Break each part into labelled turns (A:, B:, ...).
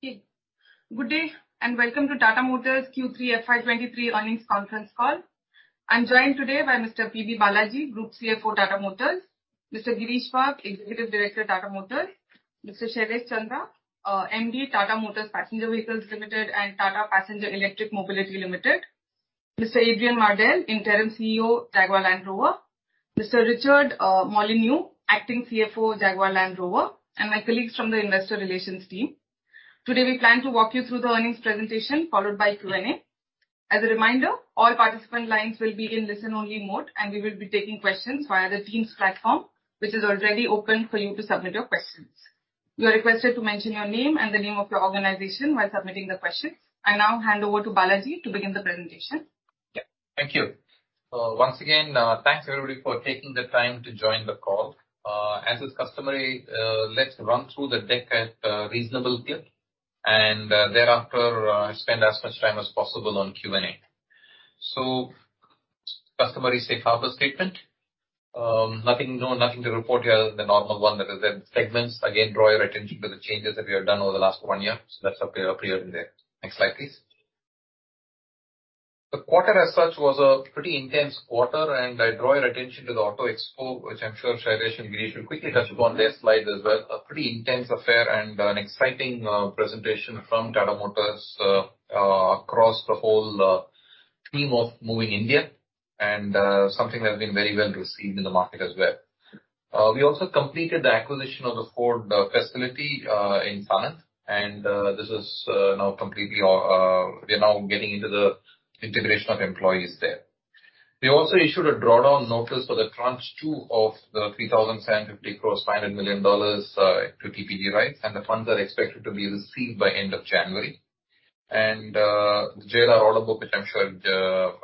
A: Good day, welcome to Tata Motors Q3 FY23 earnings conference call. I'm joined today by Mr. P.B. Balaji, Group CFO, Tata Motors. Mr. Girish Wagh, Executive Director, Tata Motors. Mr. Shailesh Chandra, MD, Tata Motors Passenger Vehicles Limited and Tata Passenger Electric Mobility Limited. Mr. Adrian Mardell, Interim CEO, Jaguar Land Rover. Mr. Richard Molyneux, Acting CFO, Jaguar Land Rover, and my colleagues from the investor relations team. Today, we plan to walk you through the earnings presentation followed by Q&A. As a reminder, all participant lines will be in listen-only mode, and we will be taking questions via the Teams platform, which is already open for you to submit your questions. You are requested to mention your name and the name of your organization while submitting the questions. I now hand over to Balaji to begin the presentation.
B: Thank you. Once again, thanks everybody for taking the time to join the call. As is customary, let's run through the deck at reasonable clip, and thereafter, spend as much time as possible on Q&A. Customary safe harbor statement. Nothing new, nothing to report here other than the normal one that is there. Segments, again, draw your attention to the changes that we have done over the last one year. That's up here, clear in there. Next slide, please. The quarter as such was a pretty intense quarter, and I draw your attention to the Auto Expo, which I'm sure Suresh and Girish will quickly touch upon this slide as well. A pretty intense affair and an exciting presentation from Tata Motors across the whole theme of moving India and something that has been very well received in the market as well. We also completed the acquisition of the Ford facility in Sanand, and this is now completely our. We're now getting into the integration of employees there. We also issued a drawdown notice for the tranche two of the 3,750 crore standard million dollars equity PD rights, and the funds are expected to be received by end of January. JLR order book, which I'm sure,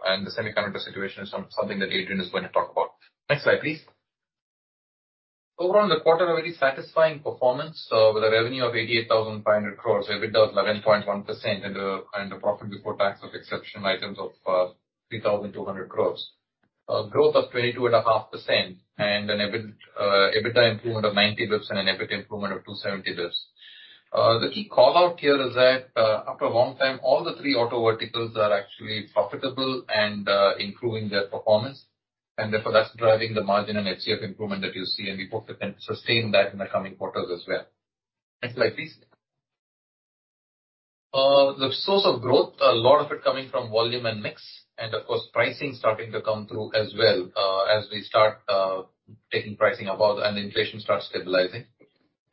B: and the semiconductor situation is something that Adrian is going to talk about. Next slide, please. Overall, in the quarter, a very satisfying performance, with a revenue of 88,500 crores, EBITDA was 11.1% and a profit before tax of exceptional items of 3,200 crores. Growth of 22.5%, an EBITDA improvement of 90 basis points and an EBIT improvement of 270 basis points. The key call-out here is that, after a long time, all the three auto verticals are actually profitable and improving their performance, and therefore that's driving the margin and HCF improvement that you see, and we hope we can sustain that in the coming quarters as well. Next slide, please. The source of growth, a lot of it coming from volume and mix, and of course pricing starting to come through as well, as we start taking pricing above and inflation starts stabilizing.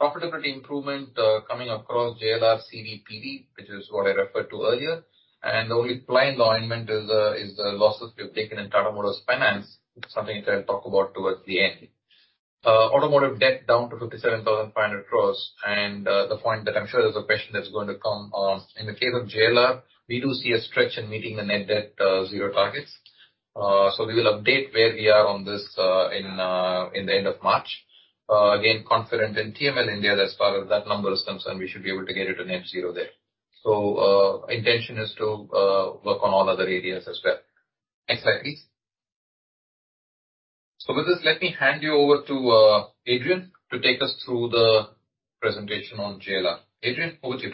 B: Profitability improvement coming across JLR, CV, PV, which is what I referred to earlier. The only blind alignment is the losses we've taken in Tata Motors Finance, something that I'll talk about towards the end. Automotive debt down to 57,500 crore. The point that I'm sure there's a question that's going to come on. In the case of JLR, we do see a stretch in meeting the net debt zero targets. We will update where we are on this in the end of March. Again, confident in TML India that as far as that number is concerned, we should be able to get it to net zero there. Intention is to work on all other areas as well. Next slide, please. With this, let me hand you over to Adrian to take us through the presentation on JLR. Adrian, over to you.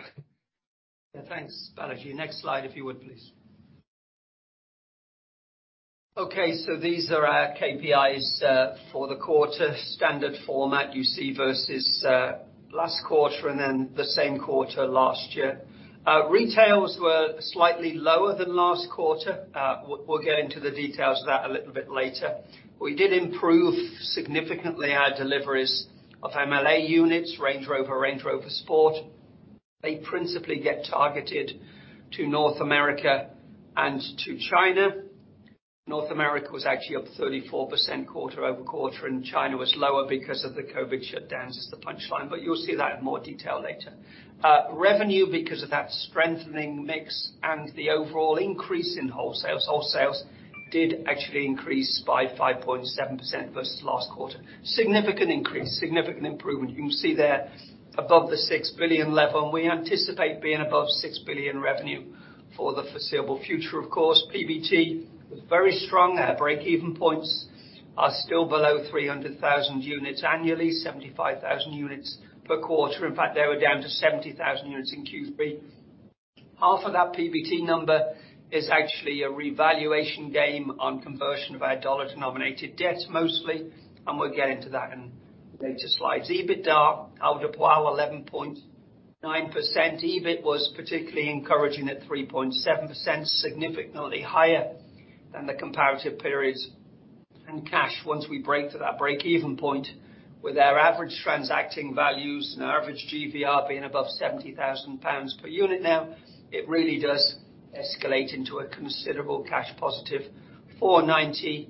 C: Yeah. Thanks, Balaji. Next slide, if you would, please. Okay, these are our KPIs for the quarter. Standard format you see versus last quarter and the same quarter last year. Retails were slightly lower than last quarter. We'll get into the details of that a little bit later. We did improve significantly our deliveries of MLA units, Range Rover, Range Rover Sport. They principally get targeted to North America and to China. North America was actually up 34% quarter-over-quarter, and China was lower because of the COVID shutdowns is the punchline. You'll see that in more detail later. Revenue because of that strengthening mix and the overall increase in wholesales. Wholesales did actually increase by 5.7% versus last quarter. Significant increase, significant improvement. You can see there above the 6 billion level, and we anticipate being above 6 billion revenue for the foreseeable future, of course. PBT was very strong. Our break-even points are still below 300,000 units annually, 75,000 units per quarter. In fact, they were down to 70,000 units in Q3. Half of that PBT number is actually a revaluation game on conversion of our dollar-denominated debt mostly, and we'll get into that in later slides. EBITDA, I would deploy our 11.9%. EBIT was particularly encouraging at 3.7%, significantly higher than the comparative periods in cash once we break to that break-even point with our average transacting values and our average GVW being above 70,000 pounds per unit now, it really does escalate into a considerable cash positive, 490,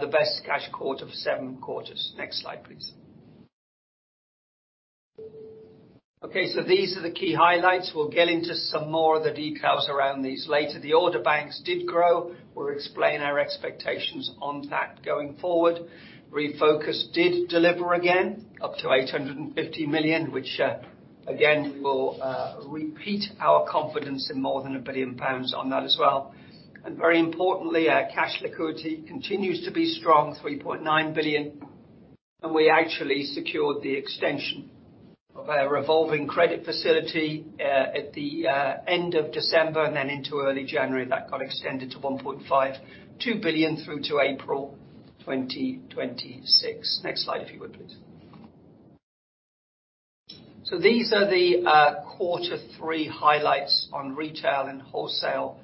C: the best cash quarter for 7 quarters. Next slide, please. These are the key highlights. We will get into some more of the details around these later. The order banks did grow. We will explain our expectations on that going forward. Refocus did deliver again, up to 850 million, which again, we will repeat our confidence in more than 1 billion pounds on that as well. Very importantly, our cash liquidity continues to be strong, 3.9 billion. We actually secured the extension of our revolving credit facility at the end of December, and then into early January. That got extended to 1.52 billion through to April 2026. Next slide, if you would, please. These are the quarter three highlights on retail and wholesale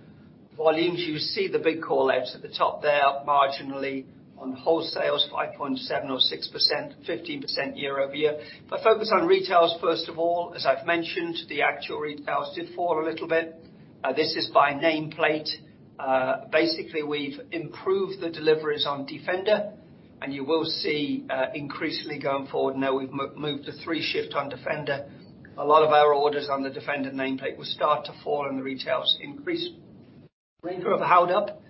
C: volumes. You see the big call outs at the top there, marginally on wholesales, 5.7% or 6%, 15% year-over-year. Focus on retails first of all. As I've mentioned, the actual retails did fall a little bit. This is by nameplate. Basically, we've improved the deliveries on Defender, and you will see, increasingly going forward now we've moved to 3 shift on Defender. A lot of our orders on the Defender nameplate will start to fall and the retails increase. Range Rover held up.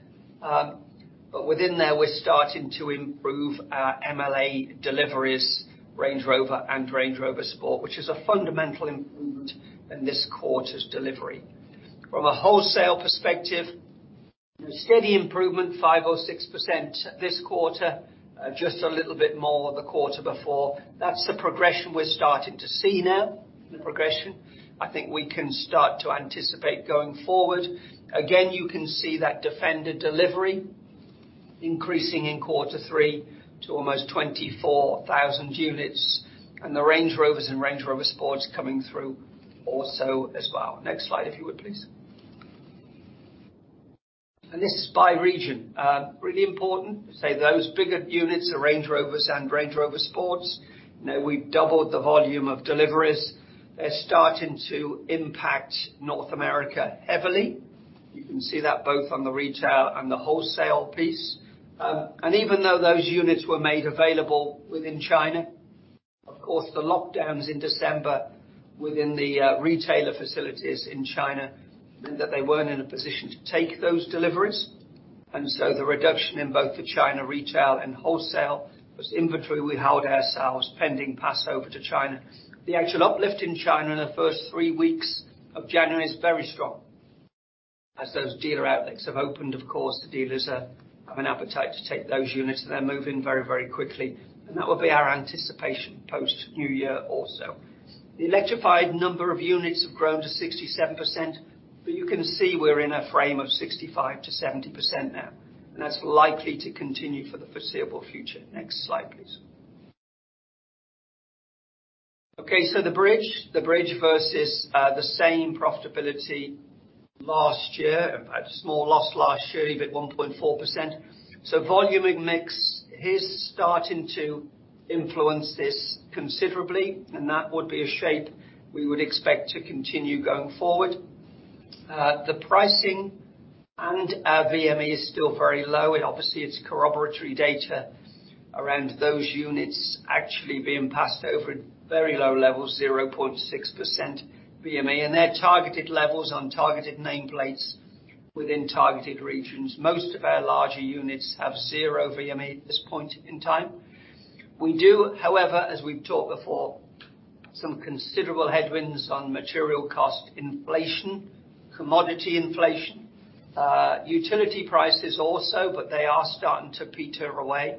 C: Within there, we're starting to improve our MLA deliveries, Range Rover and Range Rover Sport, which is a fundamental improvement in this quarter's delivery. From a wholesale perspective, a steady improvement, 5% or 6% this quarter. Just a little bit more the quarter before. That's the progression we're starting to see now. The progression I think we can start to anticipate going forward. You can see that Defender delivery increasing in quarter three to almost 24,000 units, and the Range Rovers and Range Rover Sports coming through also as well. Next slide, if you would, please. This is by region. Really important. Say those bigger units, the Range Rovers and Range Rover Sports, you know, we've doubled the volume of deliveries. They're starting to impact North America heavily. You can see that both on the retail and the wholesale piece. Even though those units were made available within China, of course, the lockdowns in December within the retailer facilities in China meant that they weren't in a position to take those deliveries. The reduction in both the China retail and wholesale was inventory we held ourselves, pending passover to China. The actual uplift in China in the first three weeks of January is very strong. As those dealer outlets have opened, of course, the dealers have an appetite to take those units, and they're moving very, very quickly. That will be our anticipation post new year also. The electrified number of units have grown to 67%, but you can see we're in a frame of 65%-70% now. That's likely to continue for the foreseeable future. Next slide, please. Okay, the bridge. The bridge versus the same profitability last year. In fact, small loss last year, EBIT 1.4%. Volume and mix is starting to influence this considerably, and that would be a shape we would expect to continue going forward. The pricing and our VME is still very low, and obviously it's corroboratory data around those units actually being passed over at very low levels, 0.6% VME. They're targeted levels on targeted nameplates within targeted regions. Most of our larger units have 0 VME at this point in time. We do, however, as we've talked before, some considerable headwinds on material cost inflation, commodity inflation, utility prices also, but they are starting to peter away.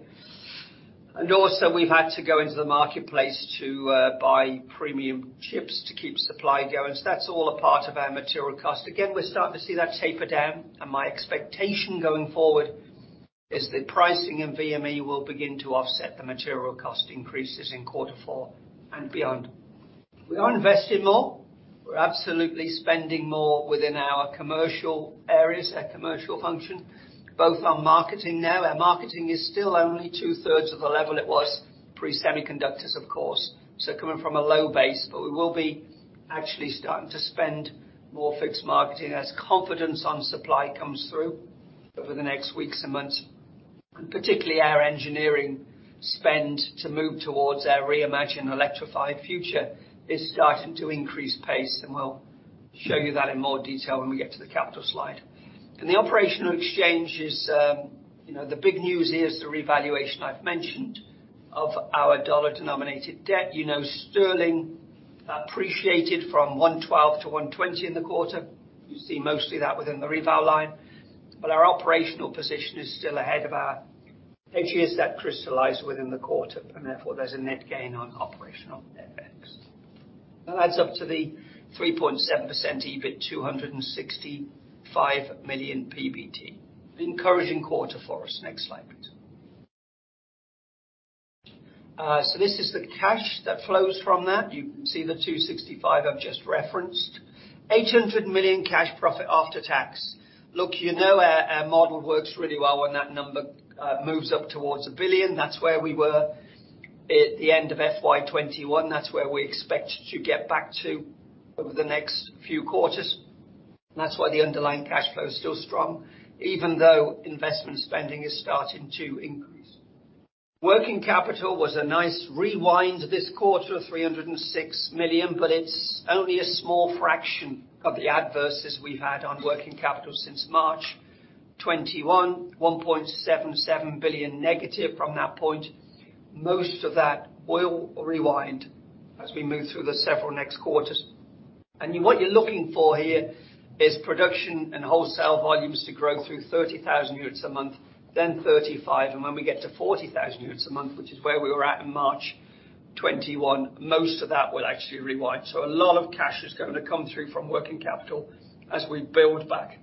C: Also, we've had to go into the marketplace to buy premium chips to keep supply going. That's all a part of our material cost. Again, we're starting to see that taper down, and my expectation going forward is the pricing in VME will begin to offset the material cost increases in quarter four and beyond. We are investing more. We're absolutely spending more within our commercial areas, our commercial function, both on marketing now. Our marketing is still only two-thirds of the level it was pre-semiconductors, of course. Coming from a low base. We will be actually starting to spend more fixed marketing as confidence on supply comes through over the next weeks and months, and particularly our engineering spend to move towards our reimagined electrified future is starting to increase pace. We'll show you that in more detail when we get to the capital slide. In the operational exchanges, you know, the big news here is the revaluation I've mentioned of our dollar-denominated debt. You know, sterling appreciated from 1.12 to 1.20 in the quarter. You see mostly that within the revou line. Our operational position is still ahead of our hedges that crystallize within the quarter, and therefore there's a net gain on operational FX. That adds up to the 3.7% EBIT, 265 million PBT. Encouraging quarter for us. Next slide, please. This is the cash that flows from that. You can see the 265 I've just referenced. 800 million cash profit after tax. Look, you know our model works really well when that number moves up towards 1 billion. That's where we were at the end of FY21. That's where we expect to get back to over the next few quarters. That's why the underlying cash flow is still strong, even though investment spending is starting to increase. Working capital was a nice rewind this quarter, 306 million, but it's only a small fraction of the adverse we've had on working capital since March 2021. 1.77 billion negative from that point. Most of that will rewind as we move through the several next quarters. What you're looking for here is production and wholesale volumes to grow through 30,000 units a month, then 35. When we get to 40,000 units a month, which is where we were at in March 2021, most of that will actually rewind. A lot of cash is gonna come through from working capital as we build back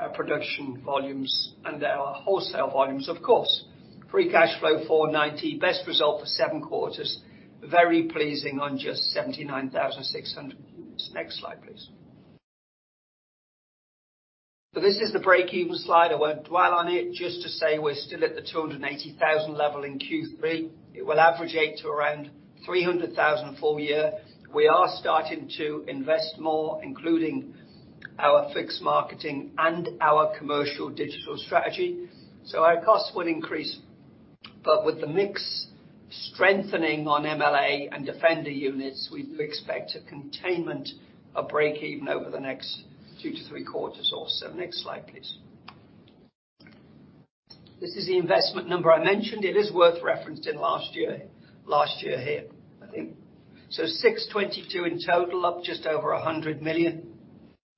C: our production volumes and our wholesale volumes, of course. Free cash flow 490 million, best result for seven quarters. Very pleasing on just 79,600 units. Next slide, please. This is the break-even slide. I won't dwell on it. Just to say we're still at the 280,000 level in Q3. It will average eight to around 300,000 full year. Our costs will increase. With the mix strengthening on MLA and Defender units, we do expect a containment of break-even over the next 2-3 quarters or so. Next slide, please. This is the investment number I mentioned. It is worth referenced in last year, last year here, I think. 622 in total, up just over 100 million.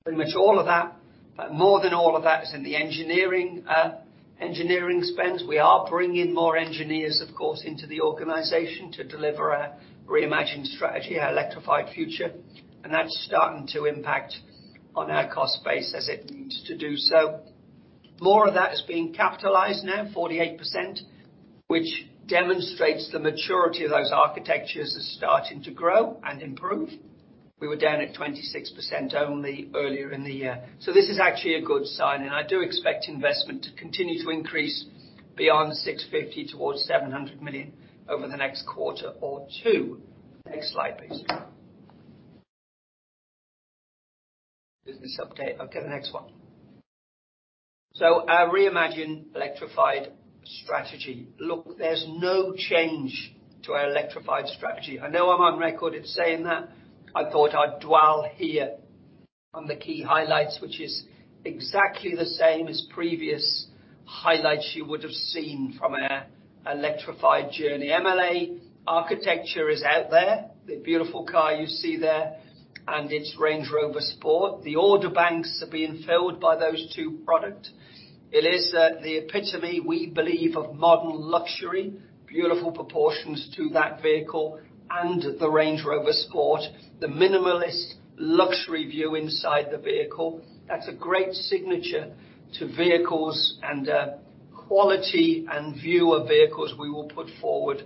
C: Pretty much all of that, but more than all of that is in the engineering spends. We are bringing more engineers, of course, into the organization to deliver our reimagined strategy, our electrified future, and that's starting to impact on our cost base as it needs to do so. More of that is being capitalized now, 48%, which demonstrates the maturity of those architectures are starting to grow and improve. We were down at 26% only earlier in the year. This is actually a good sign, and I do expect investment to continue to increase beyond 650 million towards 700 million over the next quarter or two. Next slide, please. Business update. Okay, the next one. Our reimagined electrified strategy. Look, there's no change to our electrified strategy. I know I'm on record at saying that. I thought I'd dwell here on the key highlights, which is exactly the same as previous highlights you would have seen from our electrified journey. MLA architecture is out there, the beautiful car you see there, and its Range Rover Sport. The order banks are being filled by those two product. It is the epitome, we believe, of modern luxury, beautiful proportions to that vehicle and the Range Rover Sport. The minimalist luxury view inside the vehicle, that's a great signature to vehicles and quality and view of vehicles we will put forward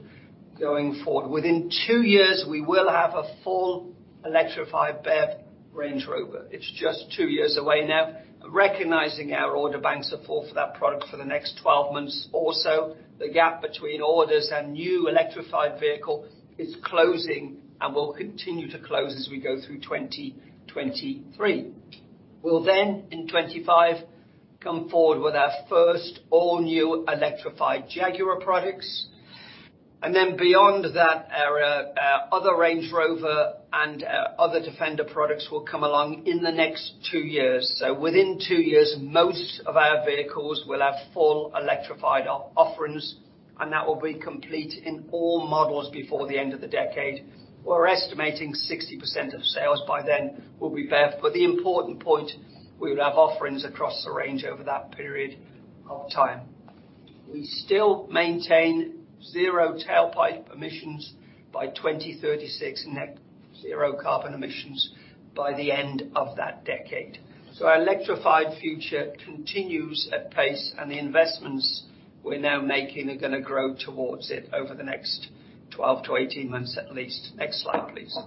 C: going forward. Within two years, we will have a full electrified BEV Range Rover. It's just two years away now. Recognizing our order banks are full for that product for the next 12 months or so, the gap between orders and new electrified vehicle is closing and will continue to close as we go through 2023. We'll, in 25, come forward with our first all-new electrified Jaguar products. Beyond that, our other Range Rover and other Defender products will come along in the next two years. Within two years, most of our vehicles will have full electrified offerings, and that will be complete in all models before the end of the decade. We're estimating 60% of sales by then will be BEV. The important point, we would have offerings across the range over that period of time. We still maintain zero tailpipe emissions by 2036, net zero carbon emissions by the end of that decade. Our electrified future continues at pace, and the investments we're now making are gonna grow towards it over the next 12-18 months at least. Next slide, please.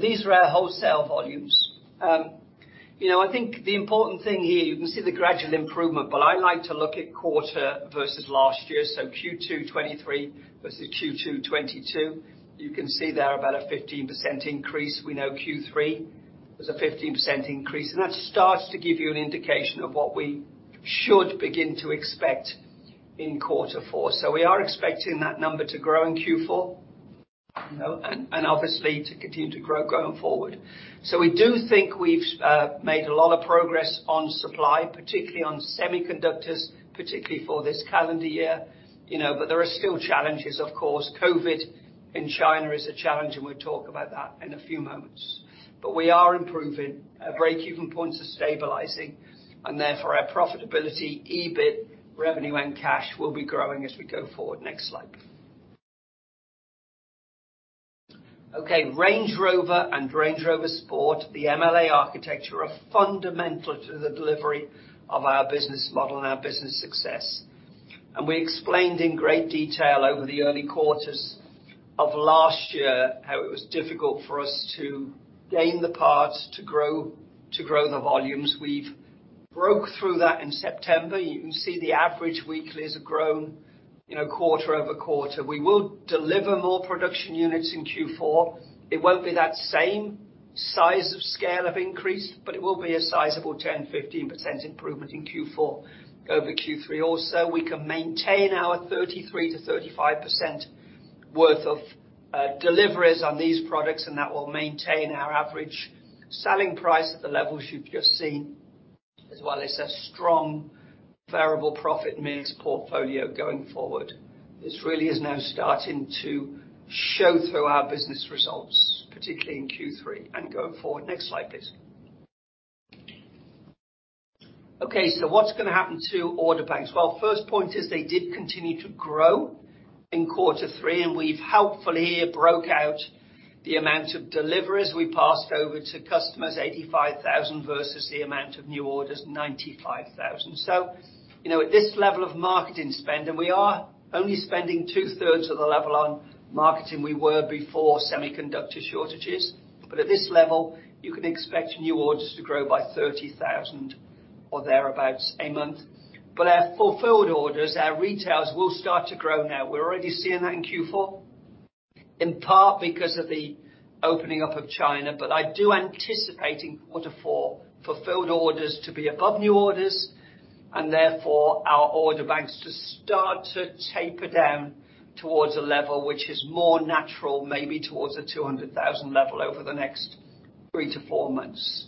C: These are our wholesale volumes. You know, I think the important thing here, you can see the gradual improvement, but I like to look at quarter versus last year. Q2 2023 versus Q2 2022. You can see there about a 15% increase. We know Q3 was a 15% increase. That starts to give you an indication of what we should begin to expect in Q4. We are expecting that number to grow in Q4, you know, and obviously to continue to grow going forward. We do think we've made a lot of progress on supply, particularly on semiconductors, particularly for this calendar year, you know. There are still challenges, of course. COVID in China is a challenge, and we'll talk about that in a few moments. We are improving. Our break-even points are stabilizing, and therefore our profitability, EBIT, revenue, and cash will be growing as we go forward. Next slide. Okay, Range Rover and Range Rover Sport, the MLA architecture, are fundamental to the delivery of our business model and our business success. We explained in great detail over the early quarters of last year how it was difficult for us to gain the parts to grow, to grow the volumes. We've broke through that in September. You can see the average weeklies have grown, you know, quarter-over-quarter. We will deliver more production units in Q4. It won't be that same size of scale of increase, but it will be a sizable 10-15% improvement in Q4 over Q3 or so. We can maintain our 33%-35% worth of deliveries on these products, and that will maintain our average selling price at the levels you've just seen. As well as a strong variable profit mix portfolio going forward. This really is now starting to show through our business results, particularly in Q3 and going forward. Next slide, please. What's gonna happen to order banks? First point is they did continue to grow in quarter three, and we've helpfully here broke out the amount of deliveries we passed over to customers, 85,000 versus the amount of new orders, 95,000. You know, at this level of marketing spend, and we are only spending two-thirds of the level on marketing we were before semiconductor shortages. At this level, you can expect new orders to grow by 30,000 or thereabout a month. Our fulfilled orders, our retails will start to grow now. We're already seeing that in Q4, in part because of the opening up of China. I do anticipating quarter four fulfilled orders to be above new orders, and therefore, our order banks to start to taper down towards a level which is more natural, maybe towards the 200,000 level over the next 3-4 months.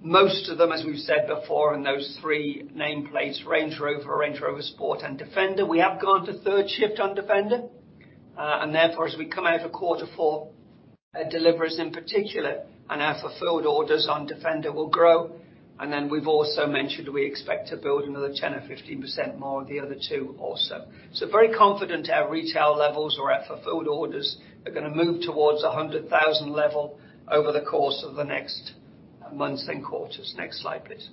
C: Most of them, as we've said before, in those three nameplates, Range Rover, Range Rover Sport, and Defender, we have gone to third shift on Defender. Therefore, as we come out of quarter four, our deliveries in particular and our fulfilled orders on Defender will grow. Then we've also mentioned we expect to build another 10% or 15% more of the other two also. Very confident our retail levels or our fulfilled orders are gonna move towards a 100,000 level over the course of the next months and quarters. Next slide, please.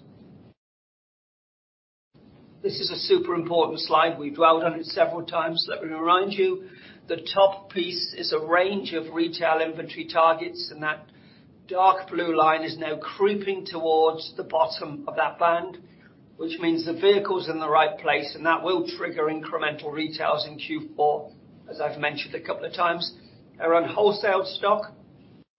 C: This is a super important slide. We dwelled on it several times. Let me remind you, the top piece is a range of retail inventory targets, and that dark blue line is now creeping towards the bottom of that band. Which means the vehicle's in the right place, and that will trigger incremental retails in Q4, as I've mentioned a couple of times. Around wholesale stock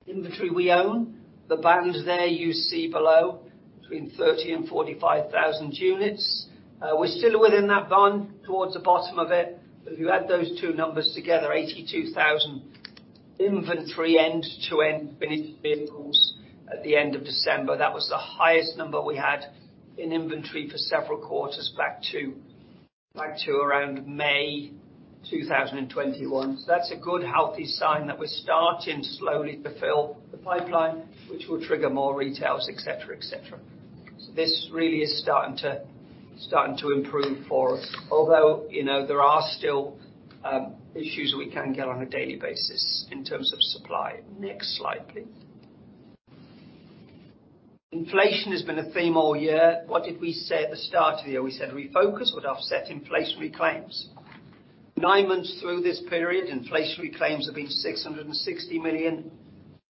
C: inventory we own. The band there you see below between 30,000 and 45,000 units. We're still within that band towards the bottom of it. If you add those two numbers together, 82,000 inventory end-to-end finished vehicles at the end of December. That was the highest number we had in inventory for several quarters back to around May 2021. That's a good, healthy sign that we're starting to slowly fulfill the pipeline, which will trigger more retails, et cetera, et cetera. This really is starting to improve for us. Although, you know, there are still issues we can get on a daily basis in terms of supply. Next slide, please. Inflation has been a theme all year. What did we say at the start of the year? We said Refocus would offset inflationary claims. nine months through this period, inflationary claims have been 660 million.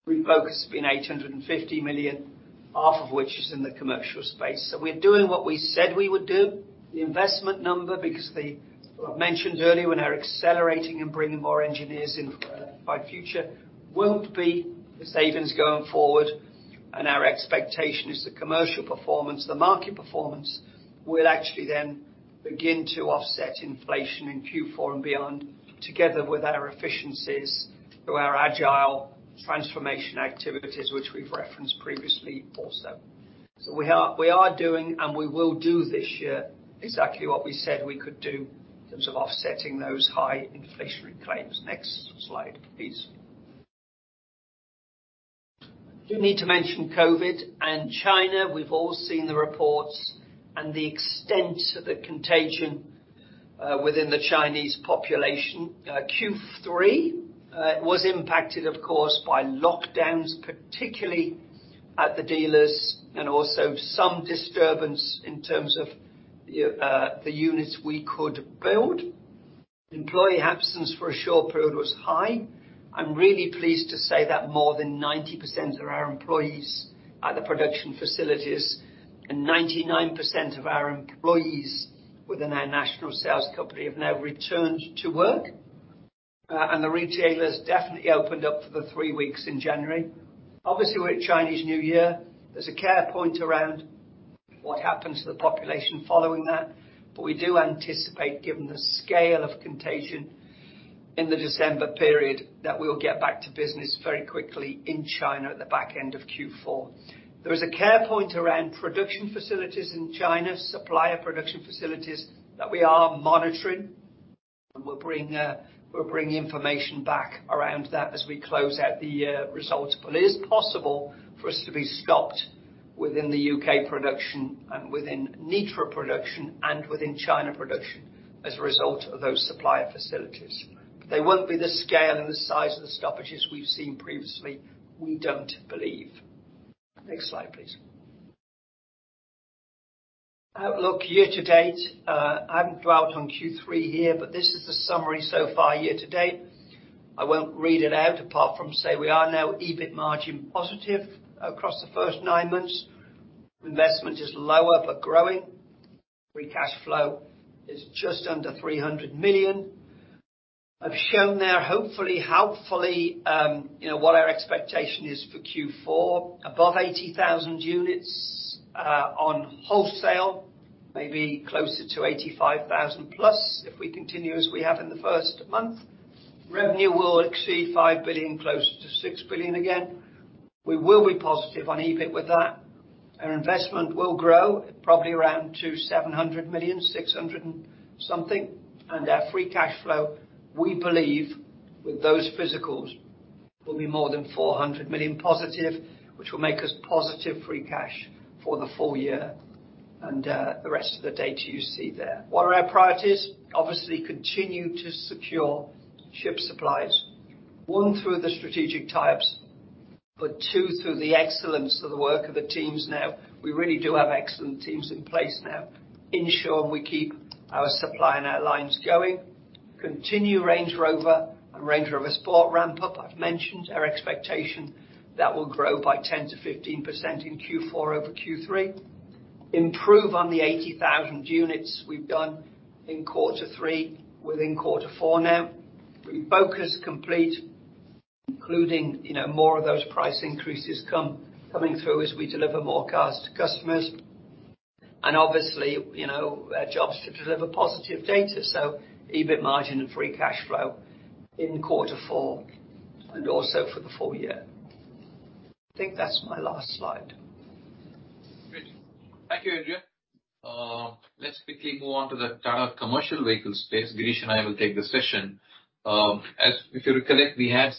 C: Refocus has been 850 million, half of which is in the commercial space. We're doing what we said we would do. The investment number, because the... what I mentioned earlier, we're now accelerating and bringing more engineers in for electrified future, won't be the savings going forward. Our expectation is the commercial performance, the market performance, will actually then begin to offset inflation in Q4 and beyond, together with our efficiencies through our agile transformation activities, which we've referenced previously also. We are doing and we will do this year exactly what we said we could do in terms of offsetting those high inflationary claims. Next slide, please. Do need to mention COVID and China. We've all seen the reports and the extent of the contagion within the Chinese population. Q3 was impacted, of course, by lockdowns, particularly at the dealers, and also some disturbance in terms of the units we could build. Employee absence for a short period was high. I'm really pleased to say that more than 90% of our employees at the production facilities and 99% of our employees within our national sales company have now returned to work. The retailers definitely opened up for the three weeks in January. Obviously, we're at Chinese New Year. There's a care point around what happens to the population following that. We do anticipate, given the scale of contagion in the December period, that we'll get back to business very quickly in China at the back end of Q4. There is a care point around production facilities in China, supplier production facilities that we are monitoring. We'll bring information back around that as we close out the results. It is possible for us to be stopped within the U.K. production and within Nitra production and within China production as a result of those supplier facilities. They won't be the scale and the size of the stoppages we've seen previously, we don't believe. Next slide, please. Outlook year to date. I haven't dwelled on Q3 here, but this is the summary so far year to date. I won't read it out apart from say we are now EBIT margin positive across the first nine months. Investment is lower but growing. Free cash flow is just under 300 million. I've shown there, hopefully, helpfully, you know, what our expectation is for Q4. Above 80,000 units on wholesale, maybe closer to 85,000+ if we continue as we have in the first month. Revenue will exceed 5 billion, close to 6 billion again. We will be positive on EBIT with that. Our investment will grow, probably around to 700 million, 600 million and something. Our free cash flow, we believe, with those physicals, will be more than 400 million positive, which will make us positive free cash for the full year. The rest of the data you see there. What are our priorities? Obviously, continue to secure chip supplies. One, through the strategic types, but two, through the excellence of the work of the teams now. We really do have excellent teams in place now, ensuring we keep our supply and our lines going. Continue Range Rover and Range Rover Sport ramp up. I've mentioned our expectation that will grow by 10%-15% in Q4 over Q3. Improve on the 80,000 units we've done in quarter three within quarter four now. Refocus complete, including, you know, more of those price increases coming through as we deliver more cars to customers. Obviously, you know, our job is to deliver positive data, so EBIT margin and free cash flow in quarter four and also for the full year. I think that's my last slide.
B: Great. Thank you, Adrian. Let's quickly move on to the commercial vehicle space. Girish and I will take the session. As, if you'll recall it, we had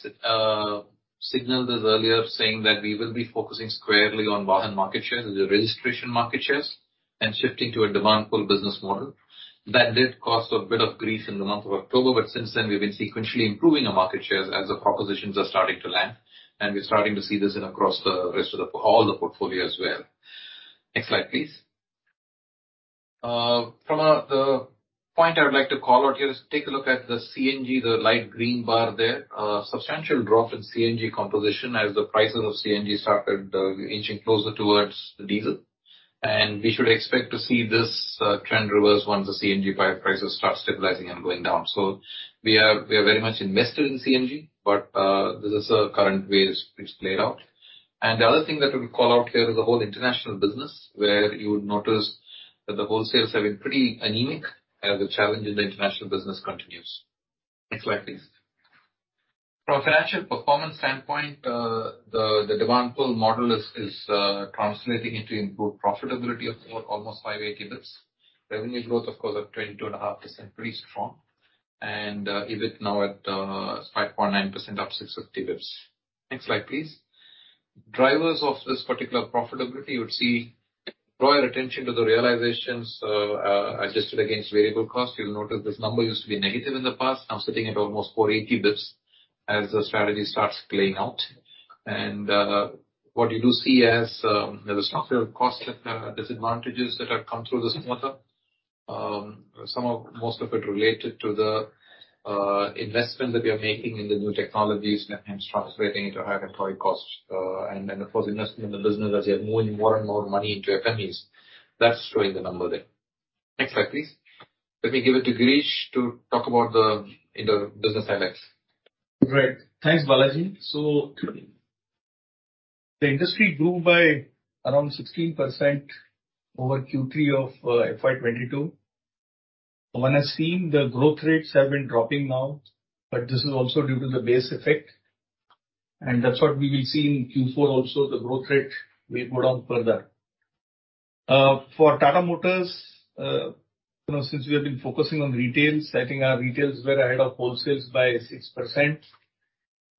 B: signaled this earlier, saying that we will be focusing squarely on volume market shares and the registration market shares and shifting to a demand-pull business model. That did cause a bit of grief in the month of October. Since then, we've been sequentially improving our market shares as the propositions are starting to land, and we're starting to see this in across all the portfolio as well. Next slide, please. From the point I would like to call out here is take a look at the CNG, the light green bar there. A substantial drop in CNG composition as the prices of CNG started inching closer towards diesel. We should expect to see this trend reverse once the CNG prices start stabilizing and going down. We are very much invested in CNG, but this is the current way it's played out. The other thing that we'll call out here is the whole international business, where you would notice that the wholesales have been pretty anemic as the challenge in the international business continues. Next slide, please. From a financial performance standpoint, the demand pool model is translating into improved profitability of about almost five basis points. Revenue growth, of course, up 22.5%, pretty strong. EBIT now at 5.9%, up 60 basis points. Next slide, please. Drivers of this particular profitability, you would see, draw your attention to the realizations adjusted against variable costs. You'll notice this number used to be negative in the past. Now sitting at almost 480 basis points as the strategy starts playing out. what you do see as there is not real cost disadvantages that have come through this model. most of it related to the investment that we are making in the new technologies and translating into higher employee costs. then of course, investing in the business as we are moving more and more money into FMEs. That's showing the number there. Next slide, please. Let me give it to Girish to talk about the business dynamics.
D: Great. Thanks, Balaji. The industry grew by around 16% over Q3 of FY 2022. One has seen the growth rates have been dropping now, but this is also due to the base effect. That's what we will see in Q4 also, the growth rate may go down further. For Tata Motors, you know, since we have been focusing on retail, I think our retails were ahead of wholesales by 6%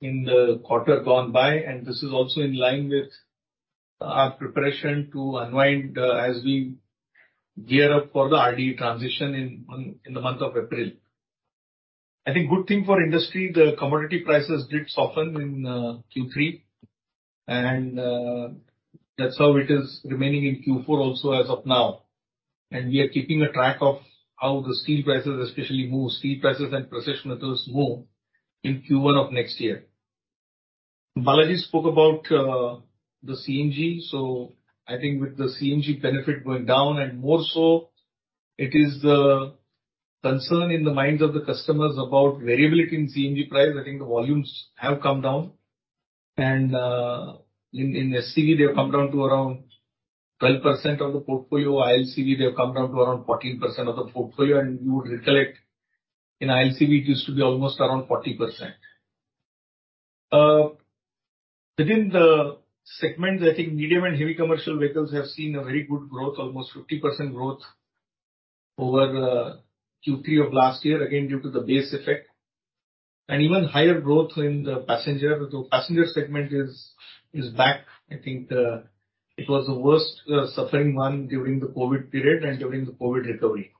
D: in the quarter gone by, and this is also in line with our preparation to unwind as we gear up for the RDE transition in the month of April. I think good thing for industry, the commodity prices did soften in Q3. That's how it is remaining in Q4 also as of now. We are keeping a track of how the steel prices especially move, steel prices and precision metals move in Q1 of next year. Balaji spoke about the CNG. I think with the CNG benefit going down and more so it is the concern in the minds of the customers about variability in CNG price. I think the volumes have come down. In SCV, they have come down to around 12% of the portfolio. ILCV, they have come down to around 14% of the portfolio. You would recollect, in ILCV it used to be almost around 40%. Within the segments, I think medium and heavy commercial vehicles have seen a very good growth, almost 50% growth over the Q3 of last year, again, due to the base effect. Even higher growth in the passenger. The passenger segment is back. I think it was the worst suffering one during the COVID period and during the COVID recovery.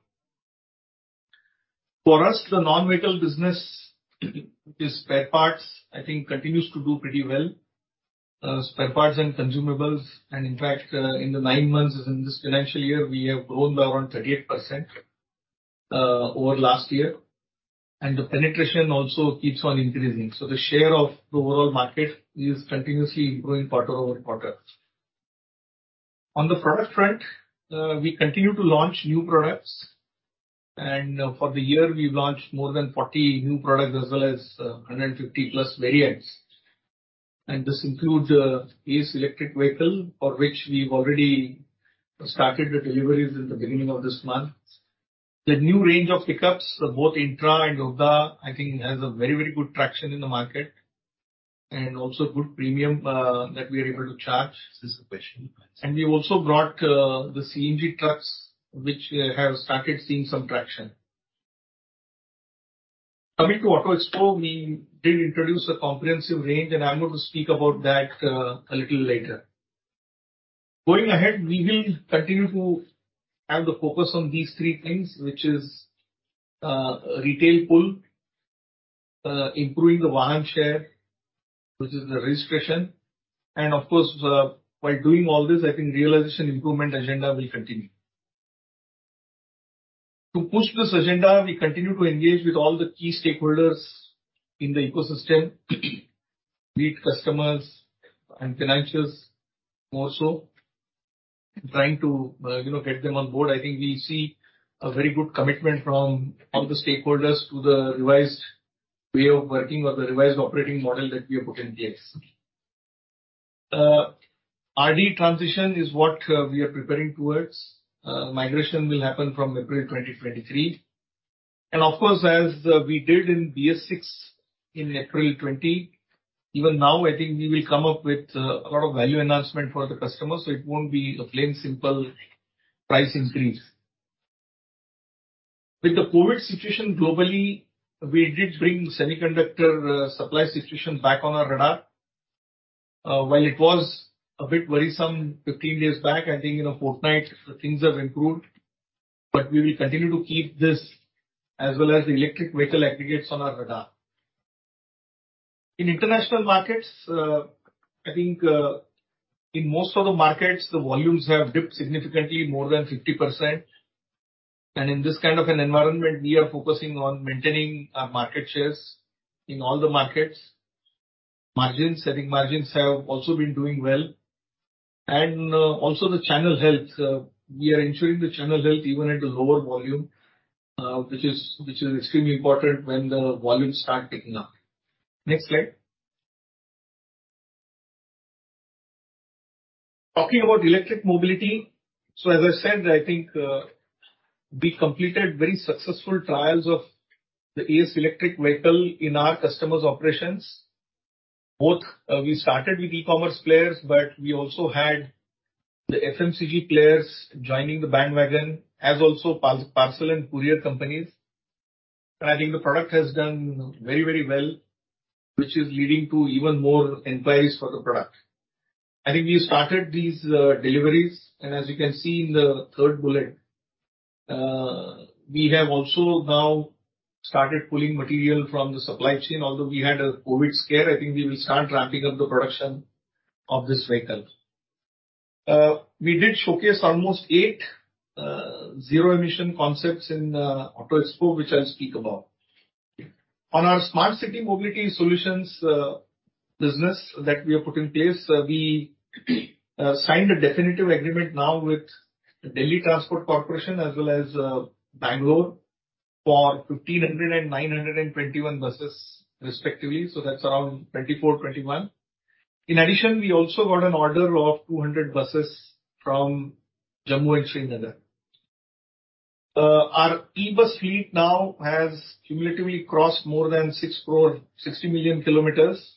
D: For us, the non-vehicle business, which is spare parts, I think continues to do pretty well. Spare parts and consumables. In fact, in the nine months in this financial year, we have grown by around 38% over last year. The penetration also keeps on increasing. The share of the overall market is continuously growing quarter-over-quarter. On the product front, we continue to launch new products. For the year, we've launched more than 40 new products as well as 150+ variants. This includes Ace EV for which we've already started the deliveries in the beginning of this month. The new range of pickups, both Intra and Yodha, I think has a very, very good traction in the market. Also good premium that we are able to charge since the. We also brought the CNG trucks, which have started seeing some traction. Coming to Auto Expo, we did introduce a comprehensive range, and I'm going to speak about that a little later. Going ahead, we will continue to have the focus on these three things, which is retail pull, improving the Vahan share, which is the registration. Of course, while doing all this, I think realization improvement agenda will continue. To push this agenda, we continue to engage with all the key stakeholders in the ecosystem, be it customers and financiers more so, trying to, you know, get them on board. I think we see a very good commitment from all the stakeholders to the revised way of working or the revised operating model that we have put in place. RDE transition is what we are preparing towards. Migration will happen from April 2023. Of course, as we did in BS6 in 20th April, even now, I think we will come up with a lot of value enhancement for the customers, so it won't be a plain simple price increase. With the COVID situation globally, we did bring semiconductor supply situation back on our radar. While it was a bit worrisome 15 days back, I think, you know, fortnight things have improved. We will continue to keep this as well as the electric vehicle aggregates on our radar. In international markets, I think, in most of the markets, the volumes have dipped significantly more than 50%. In this kind of an environment, we are focusing on maintaining our market shares in all the markets. Margins, I think margins have also been doing well. Also the channel health. We are ensuring the channel health even at a lower volume, which is extremely important when the volumes start picking up. Next slide. Talking about electric mobility. As I said, I think, we completed very successful trials of the Ace EV in our customers' operations. Both, we started with e-commerce players, but we also had the FMCG players joining the bandwagon, as also parcel and courier companies. I think the product has done very, very well, which is leading to even more inquiries for the product. I think we started these deliveries, and as you can see in the third bullet, we have also now started pulling material from the supply chain. Although we had a COVID scare, I think we will start ramping up the production of this vehicle. We did showcase almost eight zero-emission concepts in Auto Expo, which I'll speak about. On our smart city mobility solutions business that we have put in place, we signed a definitive agreement now with the Delhi Transport Corporation as well as Bangalore for 1,500 and 921 buses respectively. That's around 2,421. In addition, we also got an order of 200 buses from Jammu and Srinagar. Our eBus fleet now has cumulatively crossed more than six crore kilometers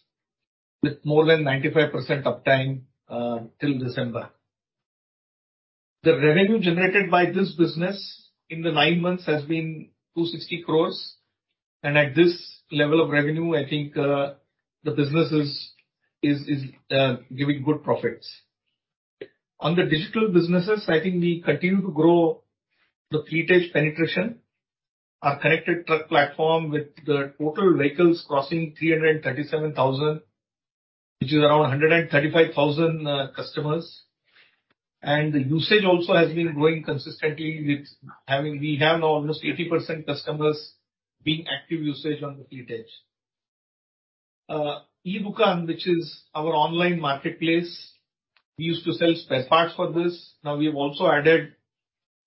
D: with more than 95% uptime till December. The revenue generated by this business in the nine months has been INR 260 crores. At this level of revenue, I think, the business is giving good profits. On the digital businesses, I think we continue to grow the Fleet Edge penetration. Our connected truck platform with the total vehicles crossing 337,000, which is around 135,000 customers. The usage also has been growing consistently with We have now almost 80% customers being active usage on the Fleet Edge. e-Dukaan, which is our online marketplace. We used to sell spare parts for this. Now we have also added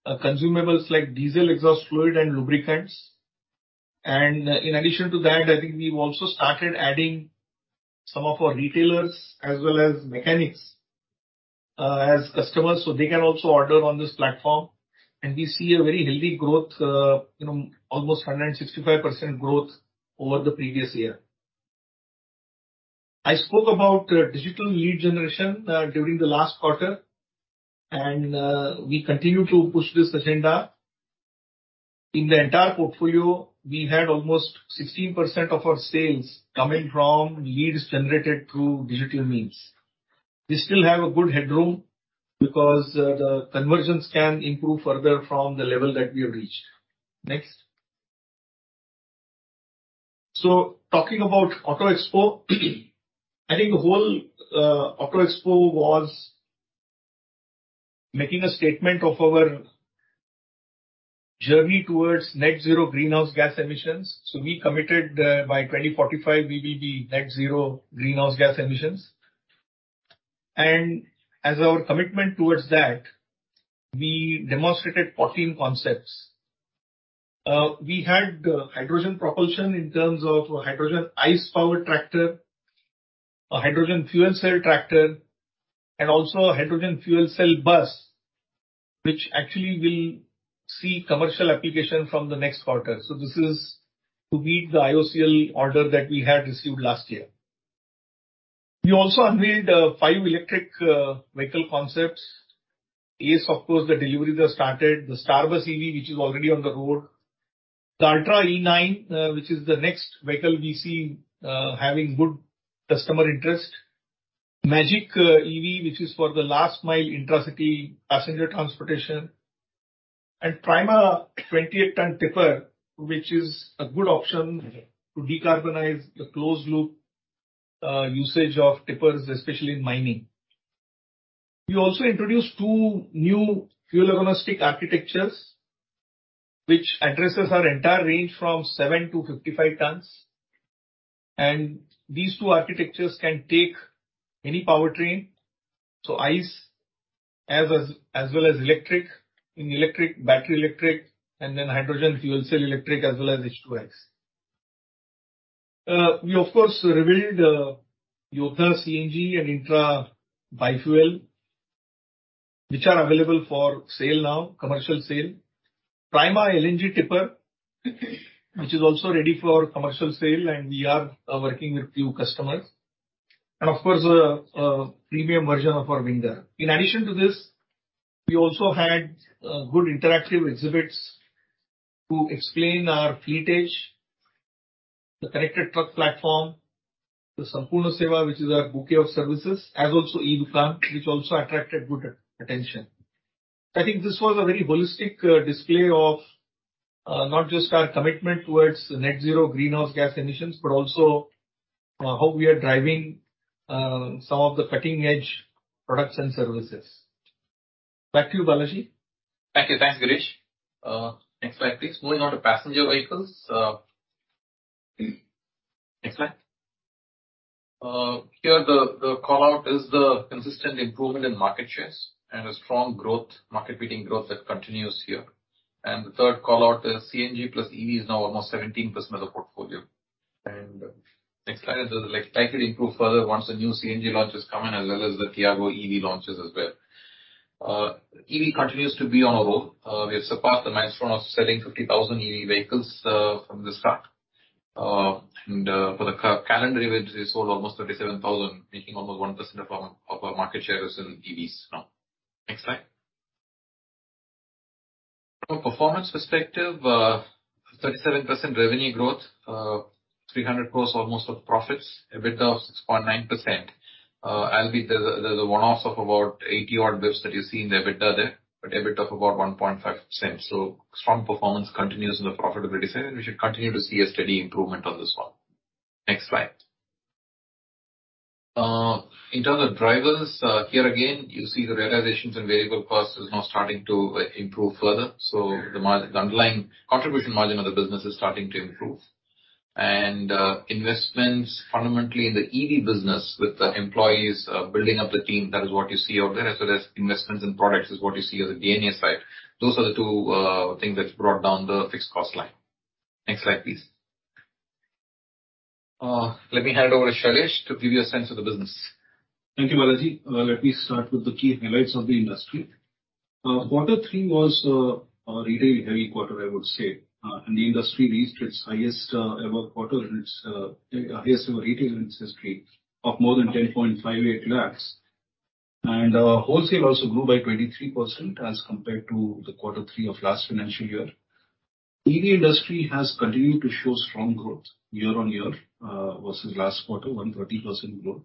D: consumables like diesel exhaust fluid and lubricants. In addition to that, I think we've also started adding some of our retailers as well as mechanics as customers, so they can also order on this platform. We see a very healthy growth, you know, almost 165% growth over the previous year. I spoke about digital lead generation during the last quarter, and we continue to push this agenda. In the entire portfolio, we had almost 16% of our sales coming from leads generated through digital means. We still have a good headroom because the conversions can improve further from the level that we have reached. Next. Talking about Auto Expo. I think the whole Auto Expo was making a statement of our journey towards net zero greenhouse gas emissions. We committed by 2045, we will be net zero greenhouse gas emissions. As our commitment towards that, we demonstrated 14 concepts. We had hydrogen propulsion in terms of hydrogen ICE powered tractor, a hydrogen fuel cell tractor, and also a hydrogen fuel cell bus, which actually will see commercial application from the next quarter. This is to meet the IOCL order that we had received last year. We also unveiled five electric vehicle concepts. Yes, of course, the deliveries are started. The Starbus EV, which is already on the road. The Ultra E.9, which is the next vehicle we see having good customer interest. Magic EV, which is for the last mile intra-city passenger transportation. Prima 28 ton tipper, which is a good option to decarbonize the closed loop usage of tippers, especially in mining. We also introduced two new fuel agnostic architectures, which addresses our entire range from 7-55 tons. These two architectures can take any powertrain, so ICE as well as electric. In electric, battery electric, then hydrogen fuel cell electric as well as H2X. We of course revealed Yodha CNG and Intra Bi-fuel, which are available for sale now, commercial sale. Prima LNG tipper, which is also ready for commercial sale, and we are working with few customers. Of course, a premium version of our Winger. In addition to this, we also had good interactive exhibits to explain our Fleet Edge, the connected truck platform, the Sampoorna Seva, which is our bouquet of services, as also e-Dukaan, which also attracted good attention. I think this was a very holistic display of not just our commitment towards net zero greenhouse gas emissions, but also how we are driving some of the cutting-edge products and services. Back to you, Balaji.
B: Thank you. Thanks, Girish. Next slide please. Moving on to passenger vehicles. Next slide. Here the call-out is the consistent improvement in market shares and a strong growth, market-beating growth that continues here. The third call-out is CNG plus EV is now almost 17% of the portfolio. Next slide. It'll likely improve further once the new CNG launches come in, as well as the Tiago.ev launches as well. EV continues to be on a roll. We have surpassed the milestone of selling 50,000 EV vehicles from the start. And for the calendar year, we've sold almost 37,000, making almost 1% of our market share is in EVs now. Next slide. From a performance perspective, 37% revenue growth, 300 crores almost of profits, EBITDA of 6.9%. There's a one-offs of about eighty-odd bits that you see in the EBITDA there, but EBIT of about 1.5%. Strong performance continues on the profitability side, and we should continue to see a steady improvement on this one. Next slide. In terms of drivers, here again, you see the realizations in variable cost is now starting to improve further. The underlying contribution margin of the business is starting to improve. Investments fundamentally in the EV business with the employees, building up the team, that is what you see out there, as well as investments in products is what you see on the P.&A. side. Those are the two things that's brought down the fixed cost line. Next slide, please. Let me hand over to Suresh to give you a sense of the business.
E: Thank you, Balaji. Let me start with the key highlights of the industry. Quarter three was a retail heavy quarter, I would say. The industry reached its highest ever quarter in its highest ever retail in its history of more than 10.58 lakhs. Our wholesale also grew by 23% as compared to the quarter three of last financial year. EV industry has continued to show strong growth year-on-year versus last quarter, 130% growth,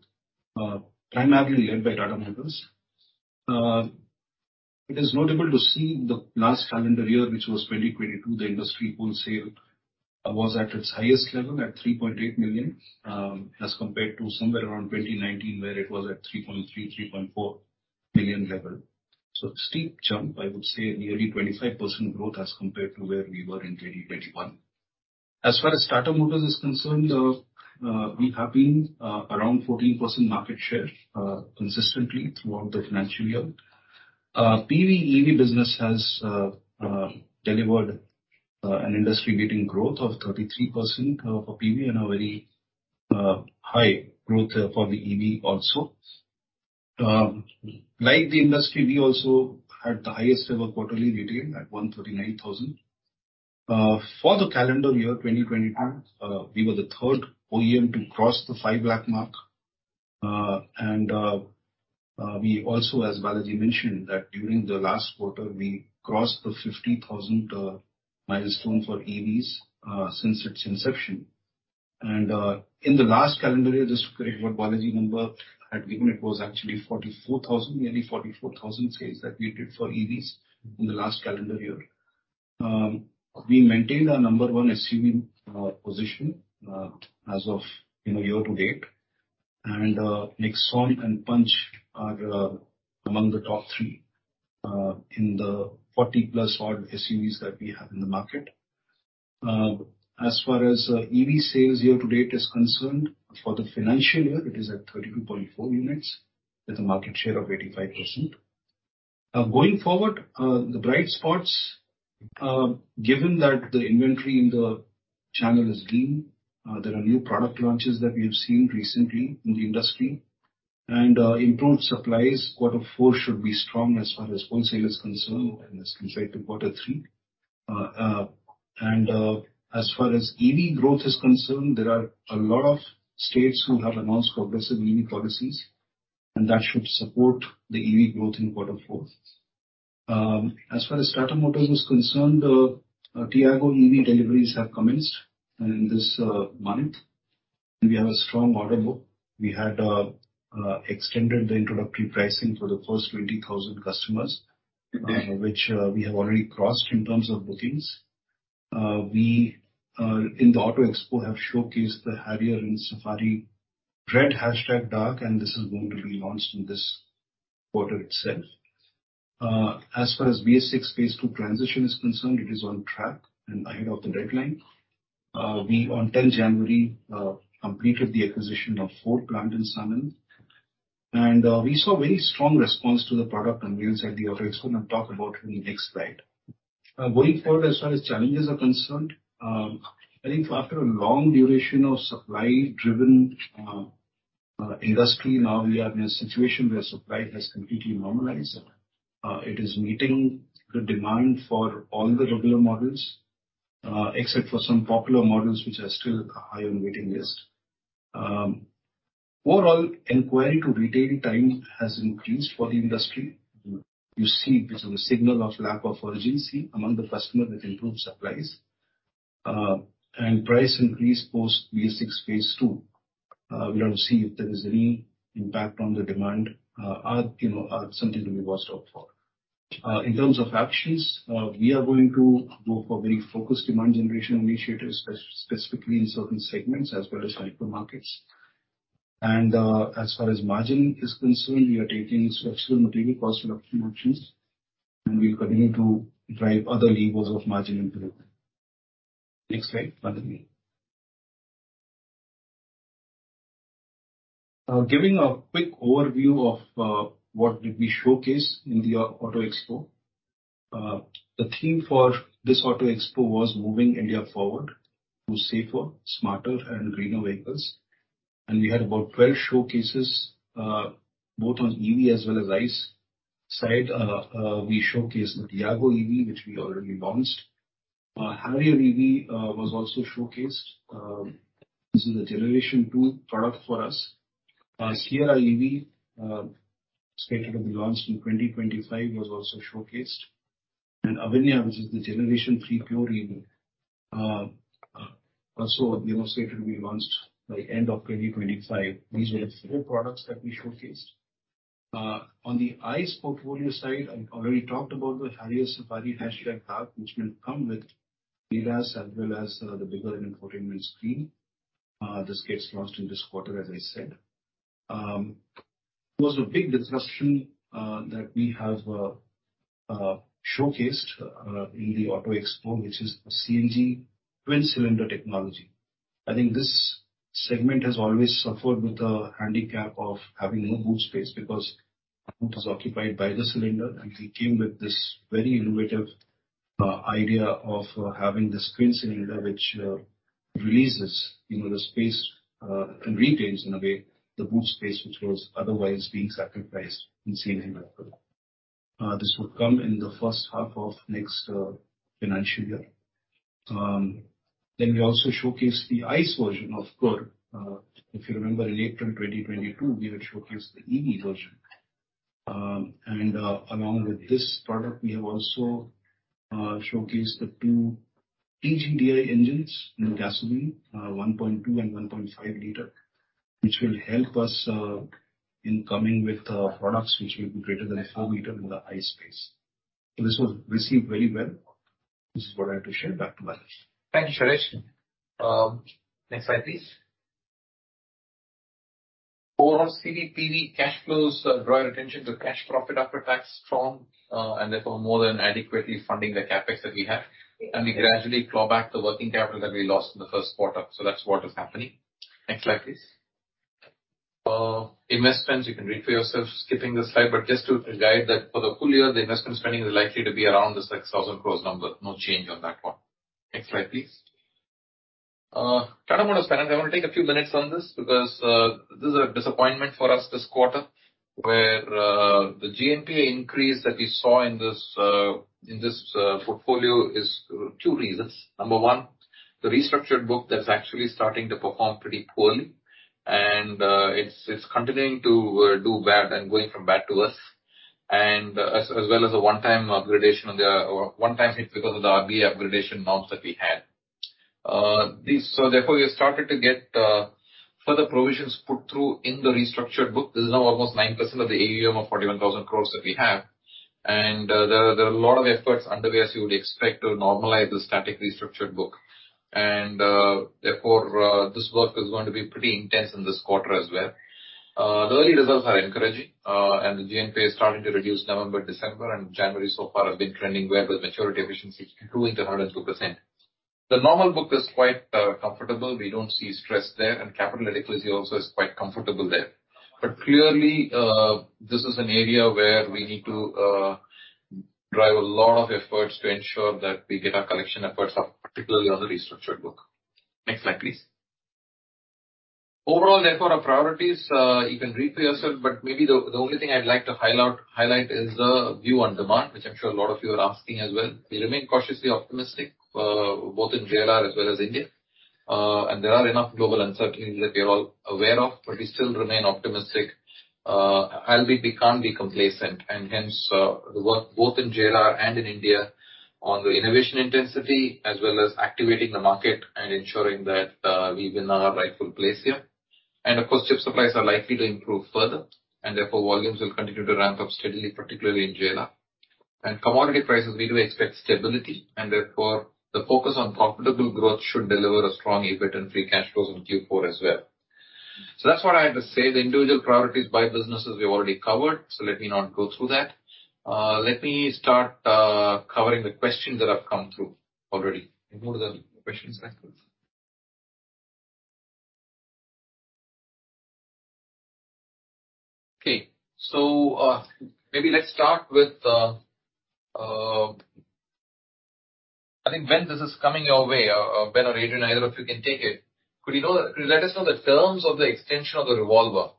E: primarily led by Tata Motors. It is notable to see the last calendar year, which was 2022, the industry wholesale was at its highest level at 3.8 million as compared to somewhere around 2019, where it was at 3.3 million-3.4 million level. Steep jump, I would say nearly 25% growth as compared to where we were in 2021. As far as Tata Motors is concerned, we have been around 14% market share consistently throughout the financial year. PV EV business has delivered an industry-leading growth of 33% for PV and a very high growth for the EV also. Like the industry, we also had the highest ever quarterly retail at 139,000. For the calendar year 2022, we were the third OEM to cross the 5 lakh mark. We also, as Balaji mentioned, that during the last quarter we crossed the 50,000 milestone for EVs since its inception. In the last calendar year, just to correct what Balaji numbered at the beginning, it was actually 44,000, nearly 44,000 sales that we did for EVs in the last calendar year. We maintained our number 1 SUV position as of end of year to date. Nexon and Punch are among the top three in the 40+ odd SUVs that we have in the market. As far as EV sales year to date is concerned, for the financial year, it is at 32.4 units with a market share of 85%. Going forward, the bright spots, given that the inventory in the channel is lean, there are new product launches that we've seen recently in the industry and improved supplies. Quarter four should be strong as far as wholesale is concerned and is consistent to quarter three. As far as EV growth is concerned, there are a lot of states who have announced progressive EV policies, and that should support the EV growth in quarter four. As far as Tata Motors is concerned, Tiago EV deliveries have commenced in this month, we have a strong order book. We had extended the introductory pricing for the first 20,000 customers, which we have already crossed in terms of bookings. We in the Auto Expo have showcased the Harrier and Safari Red Hashtag Dark, this is going to be launched in this quarter itself. As far as BS VI Phase II transition is concerned, it is on track and ahead of the deadline. We on 10th January completed the acquisition of Ford plant in Sanand, we saw very strong response to the product unveiled at the Auto Expo, I'll talk about in the next slide. Going forward, as far as challenges are concerned, I think after a long duration of supply driven industry, now we are in a situation where supply has completely normalized. It is meeting the demand for all the regular models, except for some popular models which are still high on waiting list. Overall inquiry to retail time has increased for the industry. You see this as a signal of lack of urgency among the customer with improved supplies. Price increase post BS VI Phase II, we'll have to see if there is any impact on the demand, are, you know, something to be watched out for. In terms of actions, we are going to go for very focused demand generation initiatives specifically in certain segments as well as hyper markets. As far as margin is concerned, we are taking structural material cost reduction actions, and we'll continue to drive other levers of margin improvement. Next slide, Madhavi. Giving a quick overview of what did we showcase in the Auto Expo. The theme for this Auto Expo was Moving India Forward to safer, smarter and greener vehicles. We had about 12 showcases, both on EV as well as ICE side. We showcased the Tiago EV, which we already launched. Harrier EV was also showcased. This is a generation two product for us. Sierra EV, scheduled to be launched in 2025, was also showcased. Avinya, which is the generation three pure EV, also demonstrated to be launched by end of 2025. These were the four products that we showcased. On the ICE portfolio side, I already talked about the Harrier Safari hashtag dark, which will come with ADAS as well as the bigger infotainment screen. This gets launched in this quarter, as I said. There was a big discussion that we have showcased in the Auto Expo, which is the CNG twin cylinder technology. I think this segment has always suffered with the handicap of having no boot space because boot was occupied by the cylinder, and we came with this very innovative idea of having this twin cylinder which releases, you know, the space and retains in a way the boot space which was otherwise being sacrificed in single cylinder. This would come in the first half of next financial year. We also showcased the ICE version of Curvv. If you remember in April 2022, we had showcased the EV version. Along with this product, we have also showcased the two T-GDI engines in gasoline, 1.2 and 1.5 liter, which will help us in coming with products which will be greater than four meter in the ICE space. This was received very well. Just wanted to share. Back to Manish.
B: Thank you, Suresh. Next slide, please. Overall CDPD cash flows draw your attention to cash profit after tax strong, and therefore more than adequately funding the CapEx that we have. We gradually claw back the working capital that we lost in the 1st quarter. That's what is happening. Next slide, please. Investments you can read for yourself, skipping this slide, but just to guide that for the full year, the investment spending is likely to be around this, like, 1,000 crores number. No change on that one. Next slide, please. Tata Motors Finance, I want to take a few minutes on this because this is a disappointment for us this quarter where the GNPA increase that we saw in this in this portfolio is two reasons. Number one, the restructured book that's actually starting to perform pretty poorly and it's continuing to do bad and going from bad to worse. As well as a one-time upgradation on the or one-time hit because of the RBA upgradation norms that we had. Therefore, we have started to get further provisions put through in the restructured book. This is now almost 9% of the AUM of 41,000 crores that we have. There are a lot of efforts underway, as you would expect, to normalize the static restructured book. Therefore, this work is going to be pretty intense in this quarter as well. The early results are encouraging, and the GNPA is starting to reduce November, December, and January so far have been trending well with maturity efficiency improving to 102%. The normal book is quite comfortable. We don't see stress there, and capital adequacy also is quite comfortable there. Clearly, this is an area where we need to drive a lot of efforts to ensure that we get our collection efforts up, particularly on the restructured book. Next slide, please. Overall, therefore, our priorities, you can read for yourself, but maybe the only thing I'd like to highlight is the view on demand, which I'm sure a lot of you are asking as well. We remain cautiously optimistic, both in JLR as well as India. There are enough global uncertainties that we are all aware of, but we still remain optimistic. We can't be complacent, and hence, the work both in JLR and in India on the innovation intensity as well as activating the market and ensuring that we win our rightful place here. Of course, chip supplies are likely to improve further and therefore volumes will continue to ramp up steadily, particularly in JLR. Commodity prices, we do expect stability, and therefore, the focus on profitable growth should deliver a strong EBIT and free cash flows in Q4 as well. That's what I have to say. The individual priorities by businesses we already covered, so let me not go through that. Let me start covering the questions that have come through already. We go to the questions and answers. Okay. Maybe let's start with I think, Ben, this is coming your way. Ben or Adrian, either of you can take it. Could you let us know the terms of the extension of the revolver?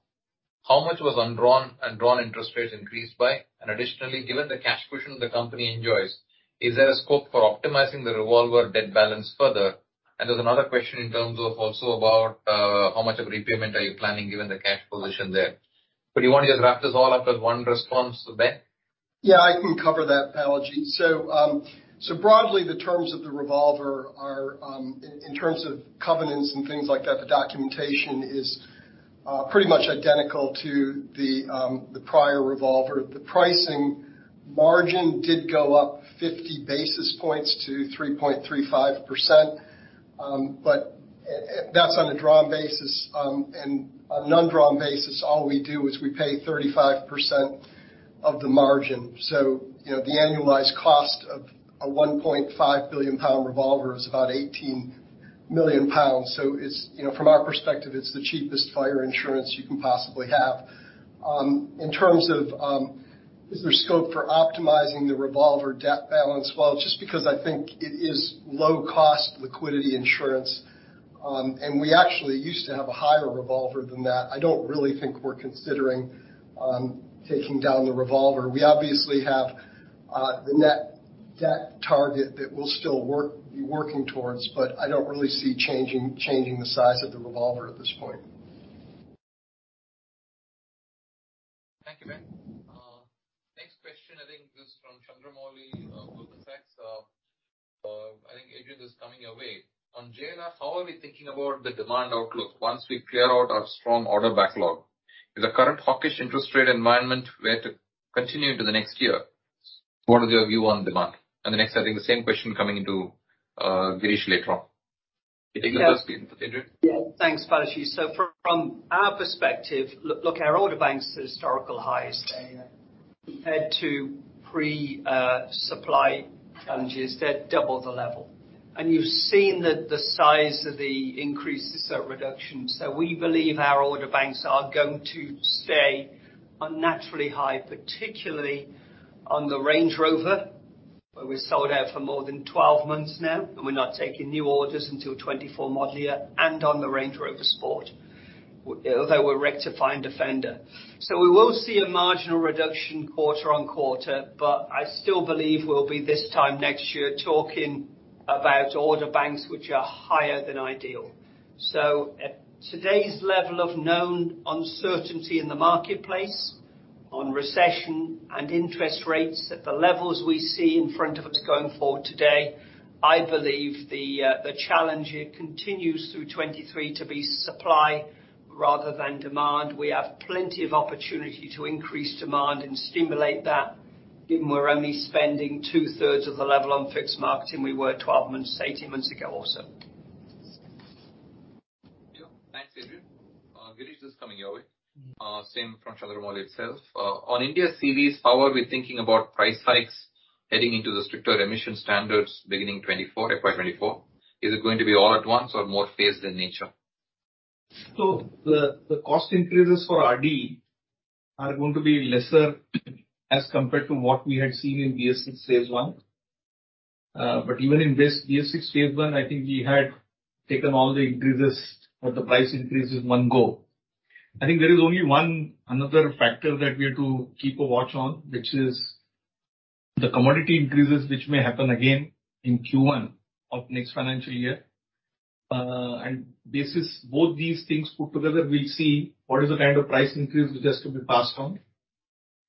B: How much was undrawn and drawn interest rates increased by? Additionally, given the cash position the company enjoys, is there a scope for optimizing the revolver debt balance further? There's another question in terms of also about how much of repayment are you planning given the cash position there. You wanna just wrap this all up as one response, Ben?
F: Yeah, I can cover that, Balaji. Broadly, the terms of the revolver are, in terms of covenants and things like that, the documentation is pretty much identical to the prior revolver. The pricing margin did go up 50 basis points to 3.35%. But, that's on a drawn basis, and on undrawn basis, all we do is we pay 35% of the margin. You know, the annualized cost of a 1.5 billion pound revolver is about 18 million pounds. It's, you know, from our perspective, it's the cheapest fire insurance you can possibly have. In terms of, is there scope for optimizing the revolver debt balance? just because I think it is low cost liquidity insurance, and we actually used to have a higher revolver than that. I don't really think we're considering, taking down the revolver. We obviously have, the net debt target that we'll still be working towards, but I don't really see changing the size of the revolver at this point.
B: Thank you, Ben. Next question I think is from Chandramouli, Bloomberg Facts. I think Adrian, this is coming your way. On JLR, how are we thinking about the demand outlook once we clear out our strong order backlog? Is the current hawkish interest rate environment where to continue into the next year, what is your view on demand? The next, I think the same question coming into Girish later on. You take the first bit, Adrian.
C: Thanks, Balaji. From our perspective, look, our order banks are at historical highs. Compared to pre, supply challenges, they're double the level. You've seen that the size of the increases are reductions. We believe our order banks are going to stay unnaturally high, particularly on the Range Rover, where we've sold out for more than 12 months now, and we're not taking new orders until 2024 model year and on the Range Rover Sport. Although we're rectifying Defender. We will see a marginal reduction quarter-on-quarter, but I still believe we'll be this time next year talking about order banks which are higher than ideal. At today's level of known uncertainty in the marketplace on recession and interest rates at the levels we see in front of us going forward today, I believe the challenge here continues through 2023 to be supply rather than demand. We have plenty of opportunity to increase demand and stimulate that, given we're only spending 2/3 of the level on fixed marketing we were 12 months, 18 months ago also.
B: Yeah. Thanks, Adrian. Girish, this is coming your way. same from Chandramouli itself. on India CVs, how are we thinking about price hikes heading into the stricter emission standards beginning 2024, FY 2024? Is it going to be all at once or more phased in nature?
D: The cost increases for RD are going to be lesser as compared to what we had seen in BS6 phase I. Even in BS6 phase one, I think we had taken all the increases or the price increases in one go. I think there is only one another factor that we have to keep a watch on, which is the commodity increases, which may happen again in Q1 of next financial year. This is both these things put together, we'll see what is the kind of price increase which has to be passed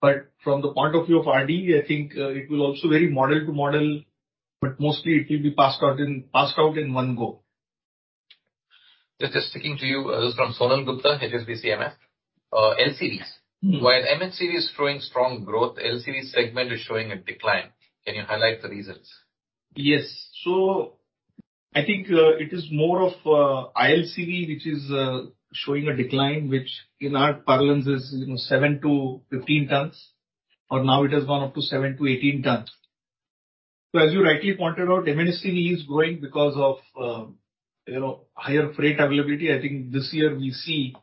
D: on. From the point of view of RD, I think, it will also vary model to model, but mostly it will be passed out in one go.
B: Just sticking to you, this is from Sonal Gupta, HSBC MF. LCVs.
D: Mm-hmm.
B: While MHCV is showing strong growth, LCV segment is showing a decline. Can you highlight the reasons?
D: Yes. I think it is more of ILCV, which is showing a decline, which in our parlance is, you know, 7-15 tons, but now it has gone up to 7-18 tons. As you rightly pointed out, M&HCV is growing because of, you know, higher freight availability. I think this year we see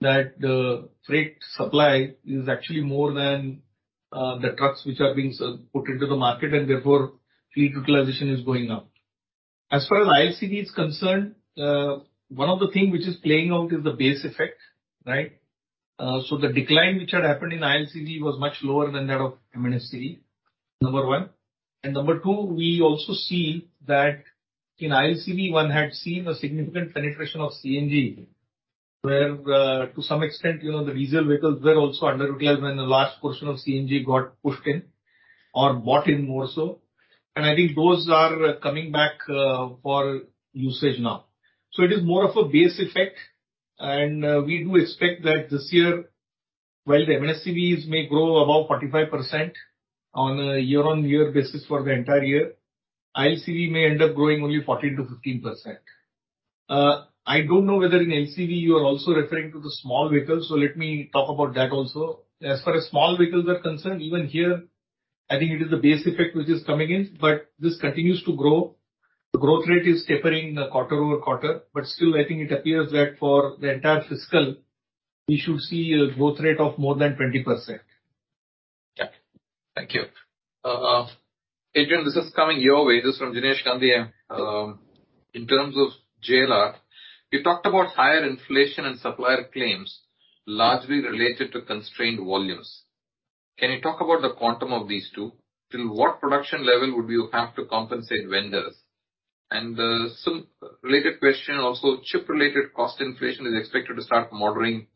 D: that the freight supply is actually more than the trucks which are being put into the market, and therefore fleet utilization is going up. As far as ILCV is concerned, one of the things which is playing out is the base effect, right? So the decline which had happened in ILCV was much lower than that of M&HCV, number one. Number 2, we also see that in ILCV, one had seen a significant penetration of CNG where, to some extent, you know, the diesel vehicles were also underutilized when the large portion of CNG got pushed in or bought in more so. I think those are coming back for usage now. It is more of a base effect. We do expect that this year, while the M&HCVs may grow above 45% on a year-on-year basis for the entire year, ILCV may end up growing only 14%-15%. I don't know whether in LCV you are also referring to the small vehicles, let me talk about that also. As far as small vehicles are concerned, even here, I think it is the base effect which is coming in, this continues to grow. The growth rate is tapering, quarter-over-quarter, but still I think it appears that for the entire fiscal, we should see a growth rate of more than 20%.
B: Thank you. Adrian, this is coming your way. This is from Jignesh Gandhi. In terms of JLR, you talked about higher inflation and supplier claims largely related to constrained volumes. Can you talk about the quantum of these two? Till what production level would you have to compensate vendors? Some related question also, chip-related cost inflation is expected to start moderating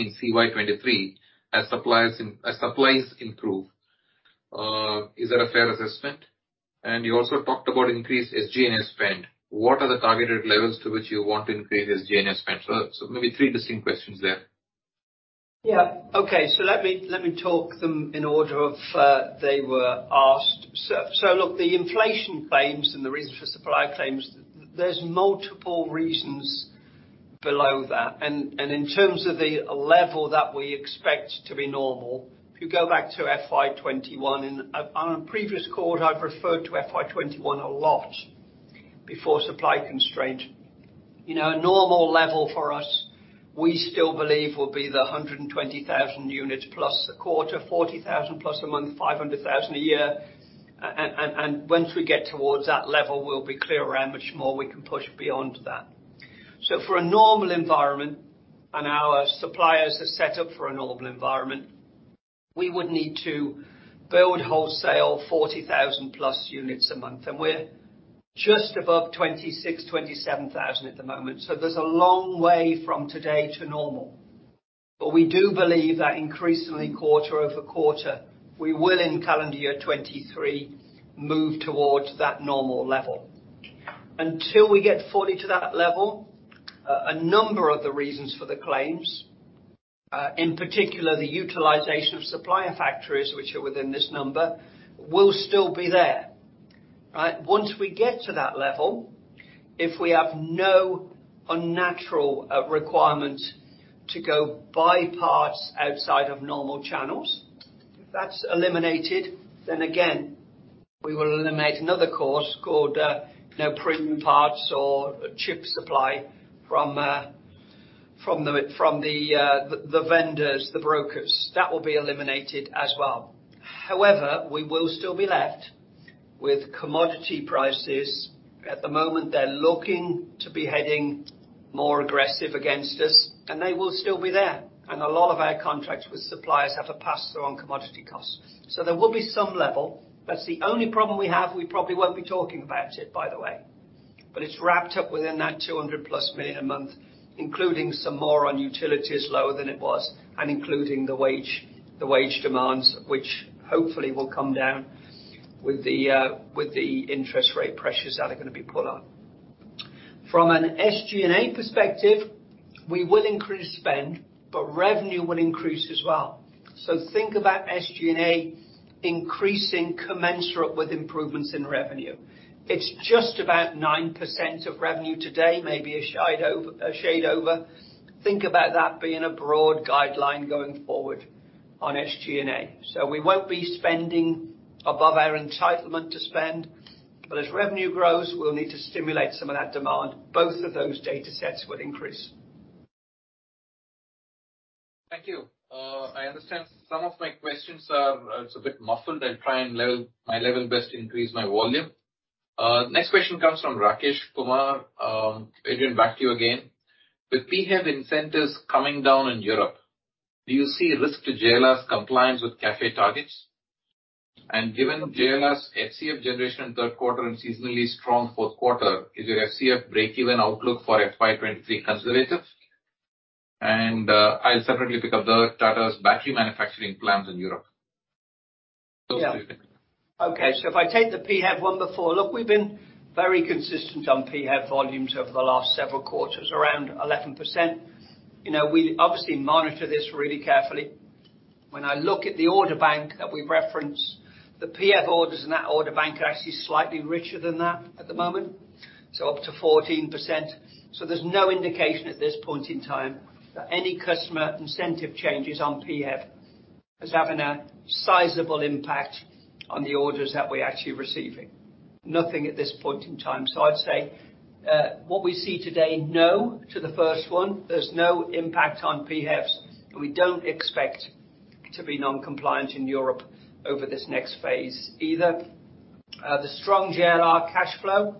B: in CY 2023 as supplies improve. Is that a fair assessment? You also talked about increased SG&A spend. What are the targeted levels to which you want to increase SG&A spend? Maybe three distinct questions there.
C: Yeah. Okay. Let me talk them in order of they were asked. Look, the inflation claims and the reason for supply claims, there's multiple reasons below that. In terms of the level that we expect to be normal, if you go back to FY 2021, and on a previous call, I've referred to FY 2021 a lot, before supply constraint. You know, a normal level for us, we still believe will be the 120,000 units plus a quarter, 40,000 plus a month, 500,000 a year. And once we get towards that level, we'll be clear around much more we can push beyond that. For a normal environment, and our suppliers are set up for a normal environment, we would need to build wholesale 40,000+ units a month, and we're just above 26,000-27,000 at the moment. There's a long way from today to normal. We do believe that increasingly quarter-over-quarter, we will in calendar year 2023 move towards that normal level. Until we get fully to that level, a number of the reasons for the claims, in particular, the utilization of supplier factories which are within this number, will still be there, right? Once we get to that level, if we have no unnatural requirement to go buy parts outside of normal channels, if that's eliminated, then again, we will eliminate another cost called, you know, premium parts or chip supply from the vendors, the brokers. That will be eliminated as well. However, we will still be left with commodity prices. At the moment, they're looking to be heading more aggressive against us, and they will still be there. A lot of our contracts with suppliers have a pass-through on commodity costs. There will be some level. That's the only problem we have. We probably won't be talking about it, by the way. It's wrapped up within that 200+ million a month, including some more on utilities, lower than it was, and including the wage demands, which hopefully will come down with the interest rate pressures that are going to be put on. From an SG&A perspective, we will increase spend, but revenue will increase as well. Think about SG&A increasing commensurate with improvements in revenue. It's just about 9% of revenue today, maybe a shade over. Think about that being a broad guideline going forward on SG&A. We won't be spending above our entitlement to spend. As revenue grows, we'll need to stimulate some of that demand. Both of those datasets will increase.
B: Thank you. I understand some of my questions are a bit muffled. I'll try my level best to increase my volume. Next question comes from Kumar Rakesh. Adrian, back to you again. With PHEV incentives coming down in Europe, do you see risk to JLR's compliance with CAFE targets? Given JLR's HCV generation in 3rd quarter and seasonally strong 4th quarter, is your HCV breakeven outlook for FY23 conservative? I'll separately pick up the Tata's battery manufacturing plans in Europe.
C: Yeah.
B: Those two things.
C: Okay. If I take the PHEV one before. Look, we've been very consistent on PHEV volumes over the last several quarters, around 11%. You know, we obviously monitor this really carefully. When I look at the order bank that we reference, the PHEV orders in that order bank are actually slightly richer than that at the moment, up to 14%. There's no indication at this point in time that any customer incentive changes on PHEV is having a sizable impact on the orders that we're actually receiving. Nothing at this point in time. I'd say, what we see today, no to the first one, there's no impact on PHEVs, and we don't expect to be non-compliant in Europe over this next phase either. The strong JLR cash flow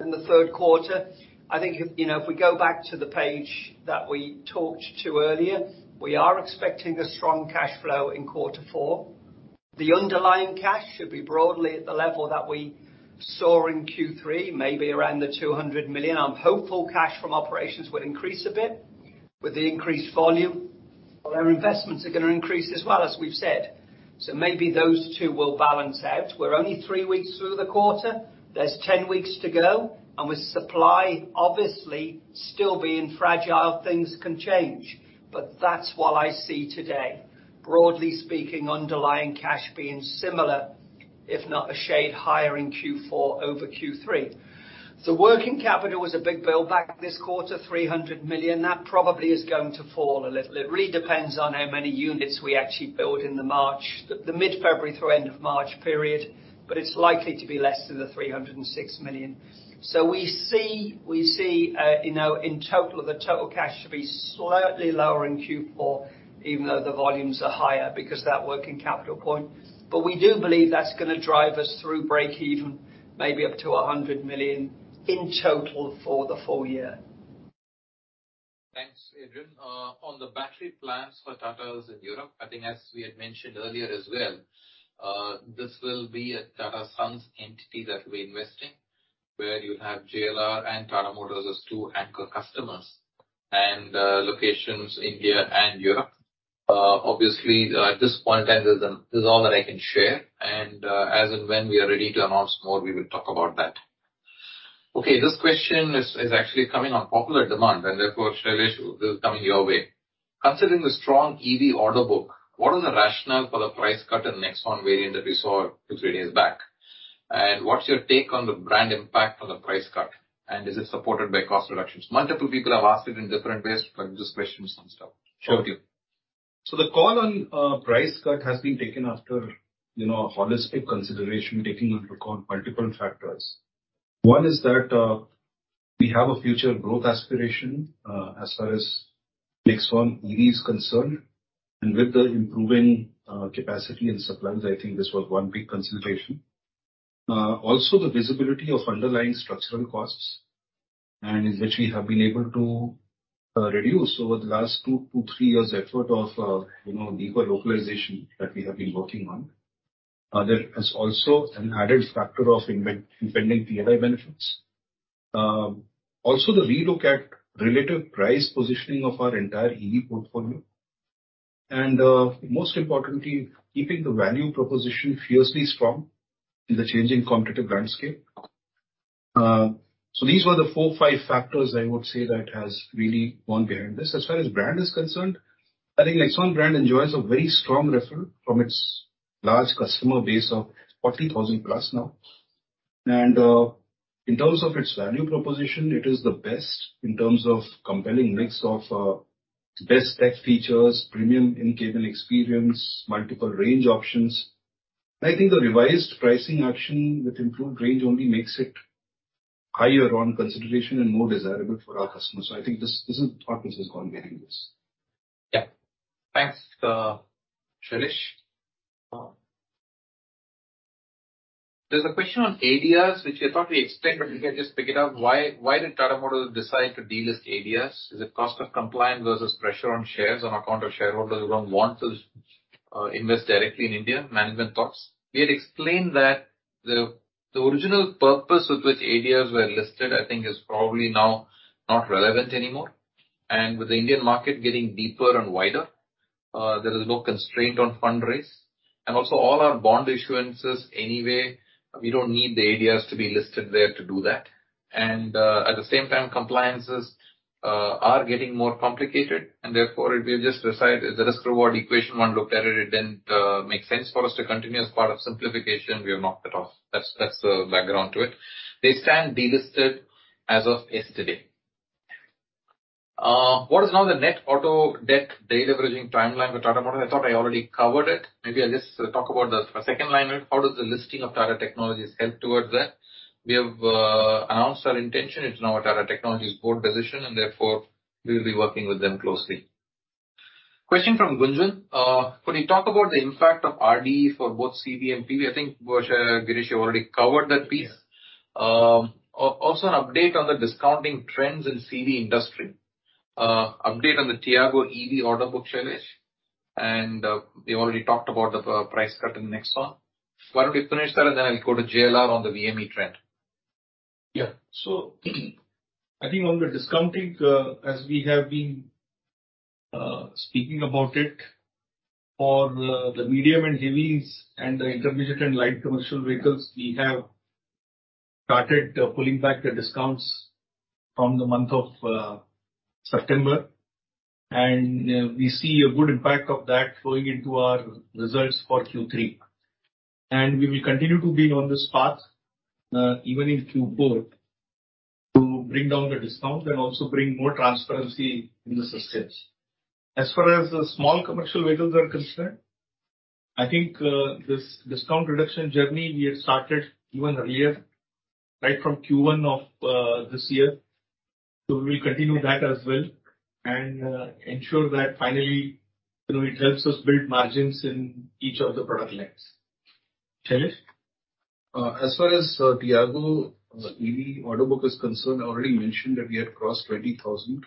C: in the third quarter, I think, you know, if we go back to the page that we talked to earlier, we are expecting a strong cash flow in quarter four. The underlying cash should be broadly at the level that we saw in Q3, maybe around the 200 million. I'm hopeful cash from operations will increase a bit with the increased volume. Our investments are gonna increase as well, as we've said. Maybe those two will balance out. We're only three weeks through the quarter. There's 10 weeks to go, and with supply obviously still being fragile, things can change. That's what I see today. Broadly speaking, underlying cash being similar, if not a shade higher in Q4 over Q3. The working capital was a big build-back this quarter, 300 million. That probably is going to fall a little. It really depends on how many units we actually build in the mid-February through end of March period. It's likely to be less than 306 million. We see, you know, in total, the total cash should be slightly lower in Q4, even though the volumes are higher because of that working capital point. We do believe that's gonna drive us through break even maybe up to 100 million in total for the full year.
B: Thanks, Adrian. On the battery plans for Tata in Europe, I think as we had mentioned earlier as well, this will be a Tata Sons entity that will be investing, where you'll have JLR and Tata Motors as two anchor customers and locations India and Europe. Obviously at this point in time, this is all that I can share, and as and when we are ready to announce more, we will talk about that. This question is actually coming on popular demand and therefore, Suresh, this is coming your way. Considering the strong EV order book, what is the rationale for the price cut in Nexon variant that we saw a few days back? What's your take on the brand impact on the price cut, and is it supported by cost reductions? Multiple people have asked it in different ways, but this question sums it up. Over to you.
E: The call on price cut has been taken after, you know, a holistic consideration, taking into account multiple factors. One is that we have a future growth aspiration as far as Nexon.ev is concerned, and with the improving capacity and supplies, I think this was one big consideration. Also the visibility of underlying structural costs and which we have been able to reduce over the last two to three years' effort of, you know, deeper localization that we have been working on. There is also an added factor of pending PLI benefits. Also the relook at relative price positioning of our entire EV portfolio and, most importantly, keeping the value proposition fiercely strong in the changing competitive landscape. These were the four or five factors I would say that has really gone behind this. As far as brand is concerned, I think Nexon brand enjoys a very strong referral from its large customer base of 40,000+ now. In terms of its value proposition, it is the best in terms of compelling mix of best tech features, premium in-cabin experience, multiple range options. I think the revised pricing action with improved range only makes it higher on consideration and more desirable for our customers. I think this is what has gone behind this.
B: Yeah. Thanks, Suresh. There's a question on ADRs, which I thought we explained, but we can just pick it up. Why did Tata Motors decide to delist ADRs? Is it cost of compliance versus pressure on shares on account of shareholders who don't want to invest directly in India? Management thoughts. We had explained that the original purpose with which ADRs were listed, I think, is probably now not relevant anymore. With the Indian market getting deeper and wider, there is no constraint on fundraise. Also all our bond issuances anyway, we don't need the ADRs to be listed there to do that. At the same time, compliances are getting more complicated, and therefore we've just decided the risk-reward equation when looked at it didn't make sense for us to continue. As part of simplification, we have knocked it off. That's the background to it. They stand delisted as of yesterday. What is now the net auto debt deleveraging timeline with Tata Motors? I thought I already covered it. Maybe I'll just talk about the second line. How does the listing of Tata Technologies help towards that? We have announced our intention. It's now a Tata Technologies board decision. Therefore, we will be working with them closely. Question from Gunjan. Could you talk about the impact of RDE for both CV and PV? I think, Girish, you already covered that piece. Also an update on the discounting trends in CV industry. Update on the Tiago.ev order book, Suresh. We already talked about the price cut in the Nexon. Why don't we finish that, and then I'll go to JLR on the VME trend.
D: Yeah. I think on the discounting, as we have been speaking about it, for the medium and heavies and the intermediate and light commercial vehicles, we have Started pulling back the discounts from the month of September. We see a good impact of that flowing into our results for Q3. We will continue to be on this path even in Q4, to bring down the discount and also bring more transparency in the systems. As far as the small commercial vehicles are concerned, I think, this discount reduction journey we have started even earlier, right from Q1 of this year. We will continue that as well and ensure that finally, you know, it helps us build margins in each of the product lines. Shailesh?
E: As far as Tiago EV order book is concerned, I already mentioned that we had crossed 20,000,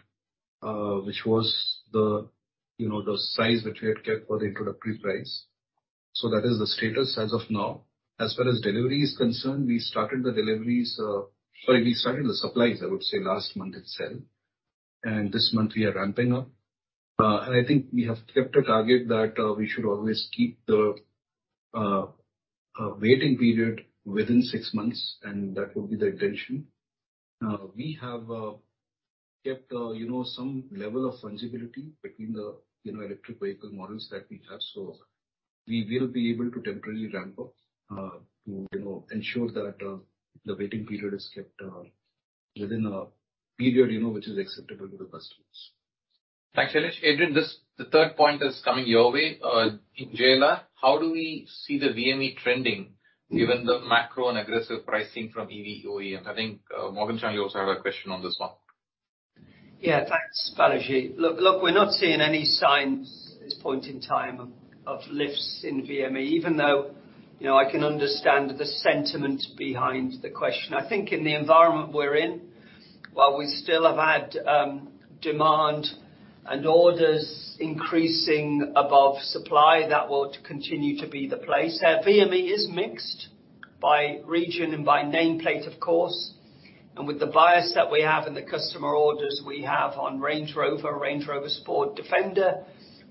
E: which was the, you know, the size that we had kept for the introductory price. That is the status as of now. As far as delivery is concerned, we started the supplies, I would say, last month itself, and this month we are ramping up. I think we have kept a target that we should always keep the waiting period within 6 months, and that would be the intention. We have kept, you know, some level of fungibility between the, you know, electric vehicle models that we have. We will be able to temporarily ramp up, to, you know, ensure that, the waiting period is kept, within a period, you know, which is acceptable to the customers.
B: Thanks, Shailesh. Adrian, this, the third point is coming your way. In JLR, how do we see the VME trending given the macro and aggressive pricing from EV OEMs? I think, Morgan Stanley also have a question on this one.
C: Thanks, Balaji. Look, we're not seeing any signs at this point in time of lifts in VME, even though, you know, I can understand the sentiment behind the question. I think in the environment we're in, while we still have had demand and orders increasing above supply, that will continue to be the place. Our VME is mixed by region and by nameplate, of course. With the bias that we have in the customer orders we have on Range Rover, Range Rover Sport, Defender,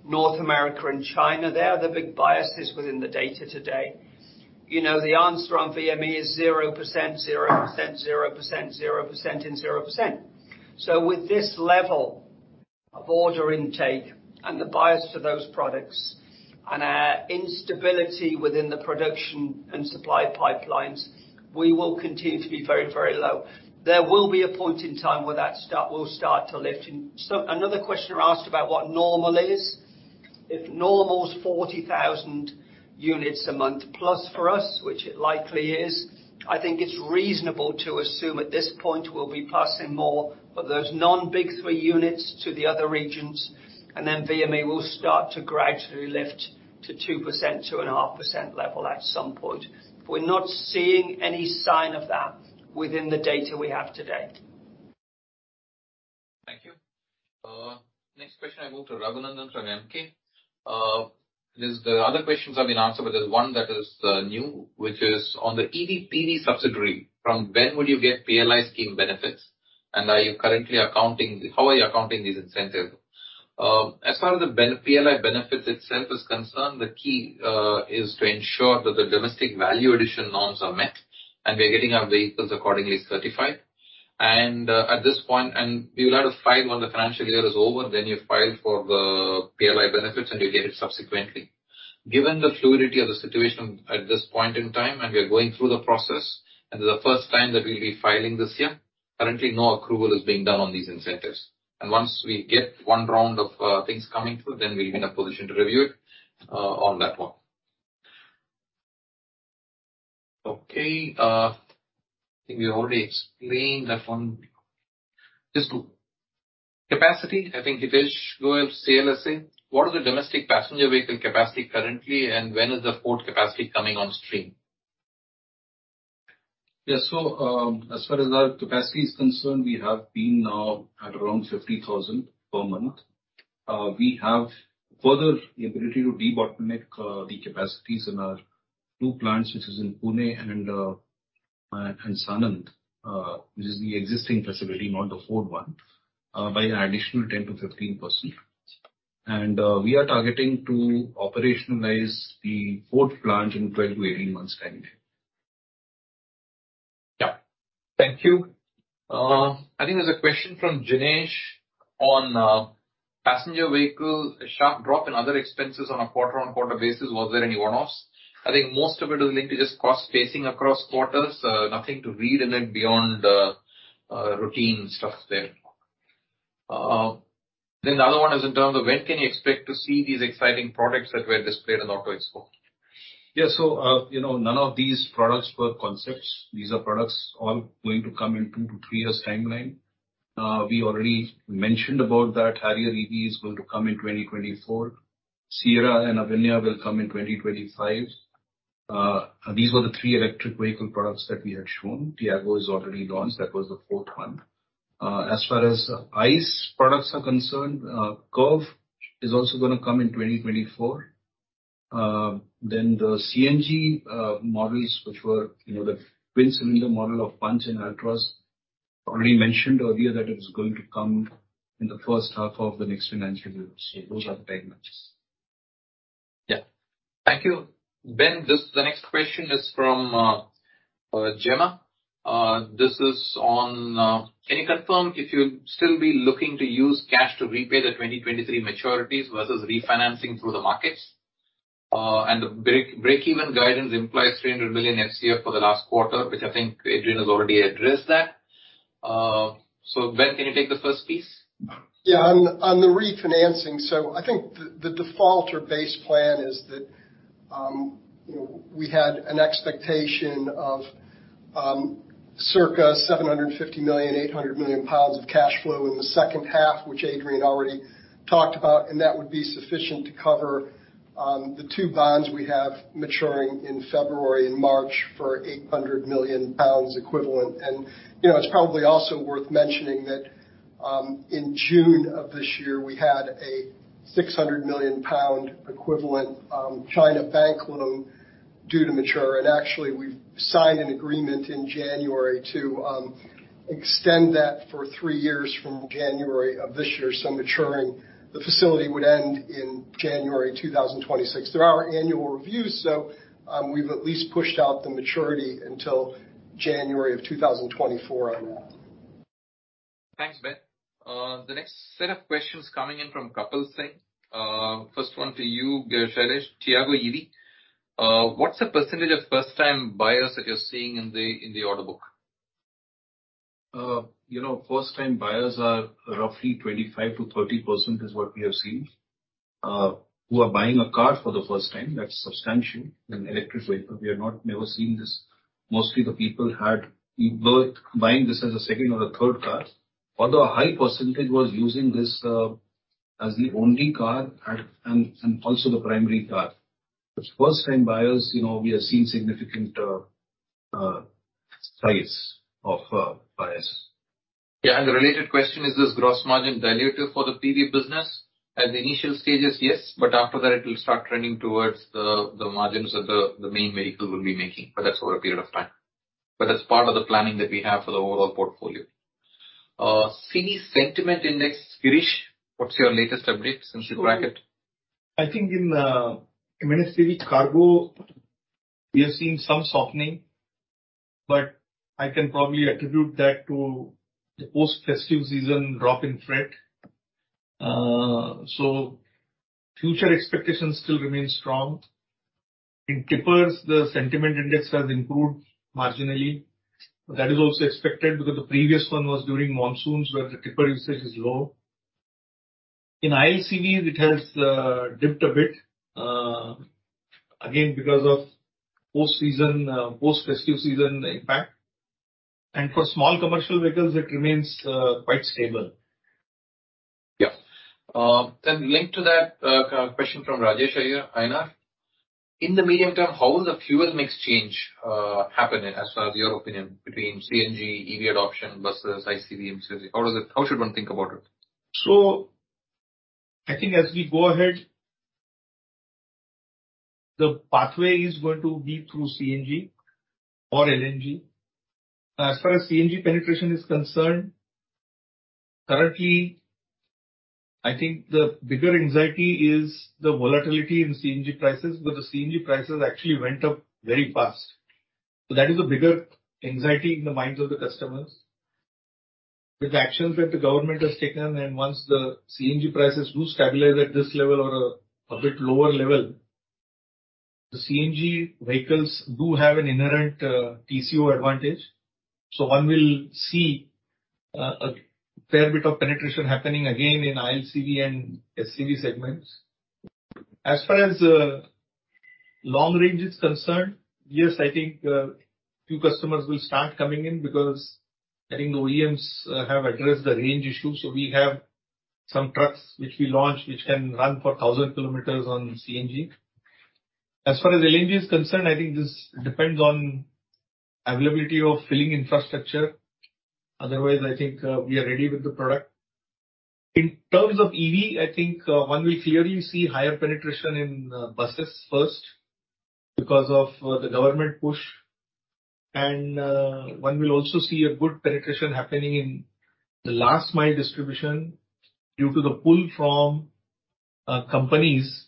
C: North America and China, they are the big biases within the data today. You know, the answer on VME is 0%, 0%, 0%, 0%, and 0%. With this level of order intake and the bias for those products and our instability within the production and supply pipelines, we will continue to be very, very low. There will be a point in time where that start, will start to lift. Another question asked about what normal is. If normal is 40,000 units a month plus for us, which it likely is, I think it's reasonable to assume at this point we'll be plusing more of those non-big three units to the other regions, and then VME will start to gradually lift to 2%, 2.5% level at some point. We're not seeing any sign of that within the data we have today.
B: Thank you. Next question, I move to Raghu Nandan from MK. The other questions have been answered. There's one that is new, which is on the EV PD subsidiary. From when will you get PLI scheme benefits? How are you accounting these incentives? As far as the PLI benefits itself is concerned, the key is to ensure that the domestic value addition norms are met. We are getting our vehicles accordingly certified. At this point, we will have to file when the financial year is over. You file for the PLI benefits. You get it subsequently. Given the fluidity of the situation at this point in time, and we are going through the process, and this is the first time that we'll be filing this year, currently no approval is being done on these incentives. Once we get one round of things coming through, then we'll be in a position to review it on that one. Okay, I think we already explained that one. Just capacity, I think Hitesh Goel, CLSA. What is the domestic passenger vehicle capacity currently, and when is the fourth capacity coming on stream?
E: Yes. As far as our capacity is concerned, we have been at around 50,000 per month. We have further the ability to debottleneck the capacities in our two plants, which is in Pune and Sanand, which is the existing facility, not the fourth one, by an additional 10%-15%. We are targeting to operationalize the fourth plant in 12-18 months' time.
B: Thank you. I think there's a question from Jinesh on passenger vehicle, a sharp drop in other expenses on a quarter-on-quarter basis. Was there any one-offs? I think most of it is linked to just cost-facing across quarters. Nothing to read in it beyond routine stuff there. The other one is in terms of when can you expect to see these exciting products that were displayed on Auto Expo?
E: You know, none of these products were concepts. These are products all going to come in 2-3 years timeline. We already mentioned about that Harrier.ev is going to come in 2024. Sierra.ev and Avinya will come in 2025. These were the three electric vehicle products that we had shown. Tiago.ev is already launched. That was the fourth one. As far as ICE products are concerned, Curvv is also gonna come in 2024. Then the CNG models, which were, you know, the twin cylinder model of Punch and Altroz, already mentioned earlier that it was going to come in the first half of the next financial year. Those are the timelines.
B: Thank you. Ben, the next question is from Gemma. This is on, can you confirm if you'll still be looking to use cash to repay the 2023 maturities versus refinancing through the markets? The breakeven guidance implies 300 million FCF for the last quarter, which I think Adrian has already addressed that. Ben, can you take the first piece?
F: On the refinancing, I think the default or base plan is that, you know, we had an expectation of circa 750 million-800 million pounds of cash flow in the second half, which Adrian already talked about, and that would be sufficient to cover the two bonds we have maturing in February and March for 800 million pounds equivalent. You know, it's probably also worth mentioning that, in June of this year, we had a 600 million pound equivalent China bank loan due to mature. Actually, we signed an agreement in January to extend that for three years from January of this year. Maturing, the facility would end in January 2026. There are annual reviews, so we've at least pushed out the maturity until January of 2024 on that.
B: Thanks, Ben. The next set of questions coming in from Kapil Singh. First one to you, Shailesh. Tiago EV, what's the percent of first time buyers that you're seeing in the, in the order book?
E: You know, first time buyers are roughly 25%-30% is what we have seen, who are buying a car for the first time. That's substantial in electric vehicles. We have not never seen this. Mostly the people had both buying this as a 2nd or a 3rd car. Although a high percentage was using this as the only car and also the primary car. First time buyers, you know, we are seeing significant size of buyers.
B: Yeah. The related question, is this gross margin dilutive for the PV business? At the initial stages, yes. After that it will start trending towards the margins that the main vehicle will be making, but that's over a period of time. That's part of the planning that we have for the overall portfolio. CriSidEx, Girish, what's your latest update since you brought it?
D: I think in heavy cargo we have seen some softening, but I can probably attribute that to the post festive season drop in freight. Future expectations still remain strong. In tippers the sentiment index has improved marginally. That is also expected because the previous one was during monsoons where the tipper usage is low. In ILCVs it has dipped a bit, again, because of post-season, post festive season impact. For small commercial vehicles it remains quite stable.
B: Linked to that, question from Rajesh Iyer, Einar. In the medium term, how will the fuel mix change happen as far as your opinion between CNG, EV adoption, buses, ICV, MCV? How should one think about it?
D: I think as we go ahead, the pathway is going to be through CNG or LNG. As far as CNG penetration is concerned, currently, I think the bigger anxiety is the volatility in CNG prices, because the CNG prices actually went up very fast. That is a bigger anxiety in the minds of the customers. With the actions that the government has taken, and once the CNG prices do stabilize at this level or a bit lower level, the CNG vehicles do have an inherent TCO advantage. One will see a fair bit of penetration happening again in ILCV and SCV segments. As far as long range is concerned, yes, I think few customers will start coming in because I think the OEMs have addressed the range issue. We have some trucks which we launched, which can run for 1,000 KM on CNG. As far as LNG is concerned, I think this depends on availability of filling infrastructure. Otherwise, I think, we are ready with the product. In terms of EV, I think, one will clearly see higher penetration in buses first because of the government push. One will also see a good penetration happening in the last mile distribution due to the pull from companies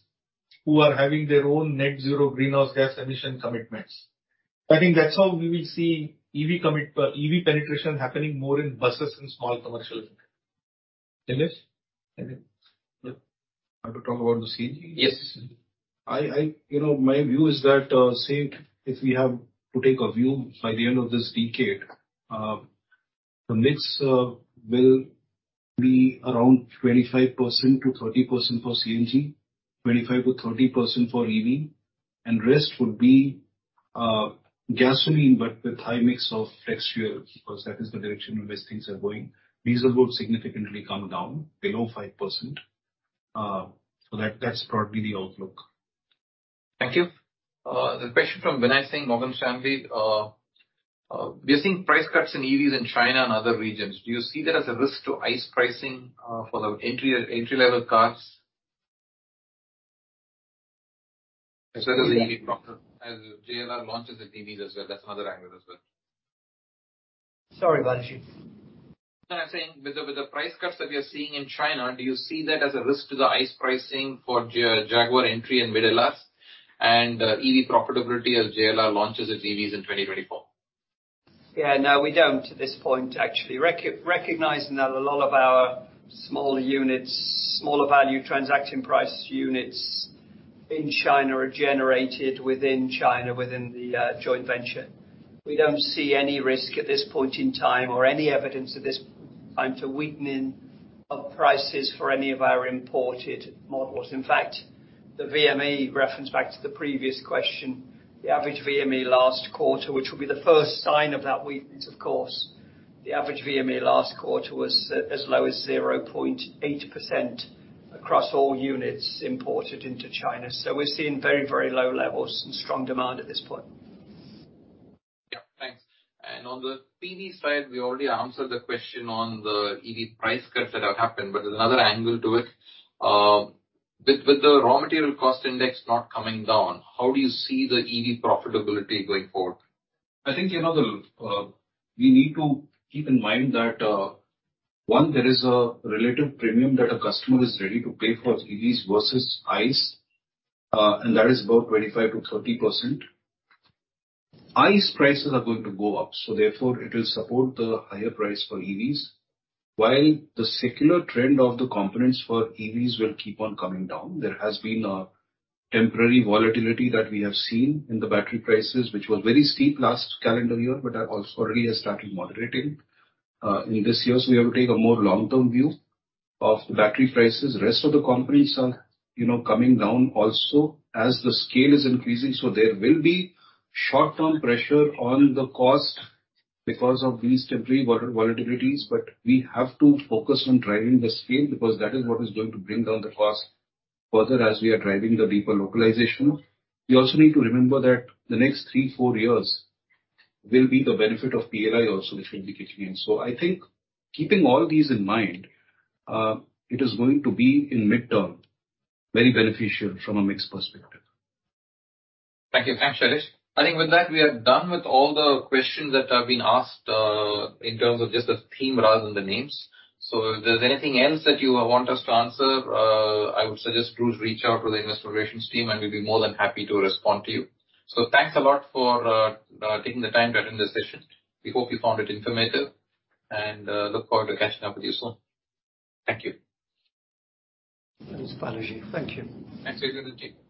D: who are having their own net zero greenhouse gas emission commitments. I think that's how we will see EV penetration happening more in buses and small commercials.
B: Suresh?
E: I think. Yeah. I have to talk about the CNG?
B: Yes.
E: I You know, my view is that, say if we have to take a view by the end of this decade, the mix will be around 25%-30% for CNG, 25%-30% for EV, and rest would be gasoline, but with high mix of flex fuel, because that is the direction in which things are going. Diesel would significantly come down below 5%. So that's probably the outlook.
B: Thank you. The question from Binay Singh, Morgan Stanley. We are seeing price cuts in EVs in China and other regions. Do you see that as a risk to ICE pricing for the entry-level cars, as well as the EV product, as JLR launches their EVs as well? That's another angle as well.
C: Sorry, Balaji.
B: I'm saying with the price cuts that we are seeing in China, do you see that as a risk to the ICE pricing for Jaguar entry and middle ups and EV profitability as JLR launches its EVs in 2024?
C: Yeah. No, we don't at this point, actually. Recognizing that a lot of our smaller units, smaller value transaction price units in China are generated within China, within the joint venture. We don't see any risk at this point in time or any evidence at this time to weakening of prices for any of our imported models. In fact, the VME, reference back to the previous question, the average VME last quarter, which will be the first sign of that weakness, of course. The average VME last quarter was as low as 0.8% across all units imported into China. We're seeing very, very low levels and strong demand at this point.
B: Yeah. Thanks. On the PV side, we already answered the question on the EV price cuts that have happened, but there's another angle to it. With the raw material cost index not coming down, how do you see the EV profitability going forward?
E: I think, you know, we need to keep in mind that one, there is a relative premium that a customer is ready to pay for EVs versus ICE, and that is about 25%-30%. ICE prices are going to go up, therefore it will support the higher price for EVs. While the secular trend of the components for EVs will keep on coming down, there has been a temporary volatility that we have seen in the battery prices, which was very steep last calendar year but have also already has started moderating in this year. We have to take a more long-term view of the battery prices. The rest of the components are, you know, coming down also as the scale is increasing. There will be short-term pressure on the cost because of these temporary volatilities, but we have to focus on driving the scale, because that is what is going to bring down the cost further as we are driving the deeper localization. We also need to remember that the next three, four years will be the benefit of PLI also, which will be kicking in. I think keeping all these in mind, it is going to be, in mid-term, very beneficial from a mix perspective.
B: Thank you. Thanks, Shailesh. I think with that, we are done with all the questions that have been asked in terms of just the theme rather than the names. If there's anything else that you want us to answer, I would suggest please reach out to the investor relations team, and we'd be more than happy to respond to you. Thanks a lot for taking the time to attend this session. We hope you found it informative and look forward to catching up with you soon. Thank you.
C: Thanks, Balaji. Thank you.
B: Thanks, everyone. Cheers.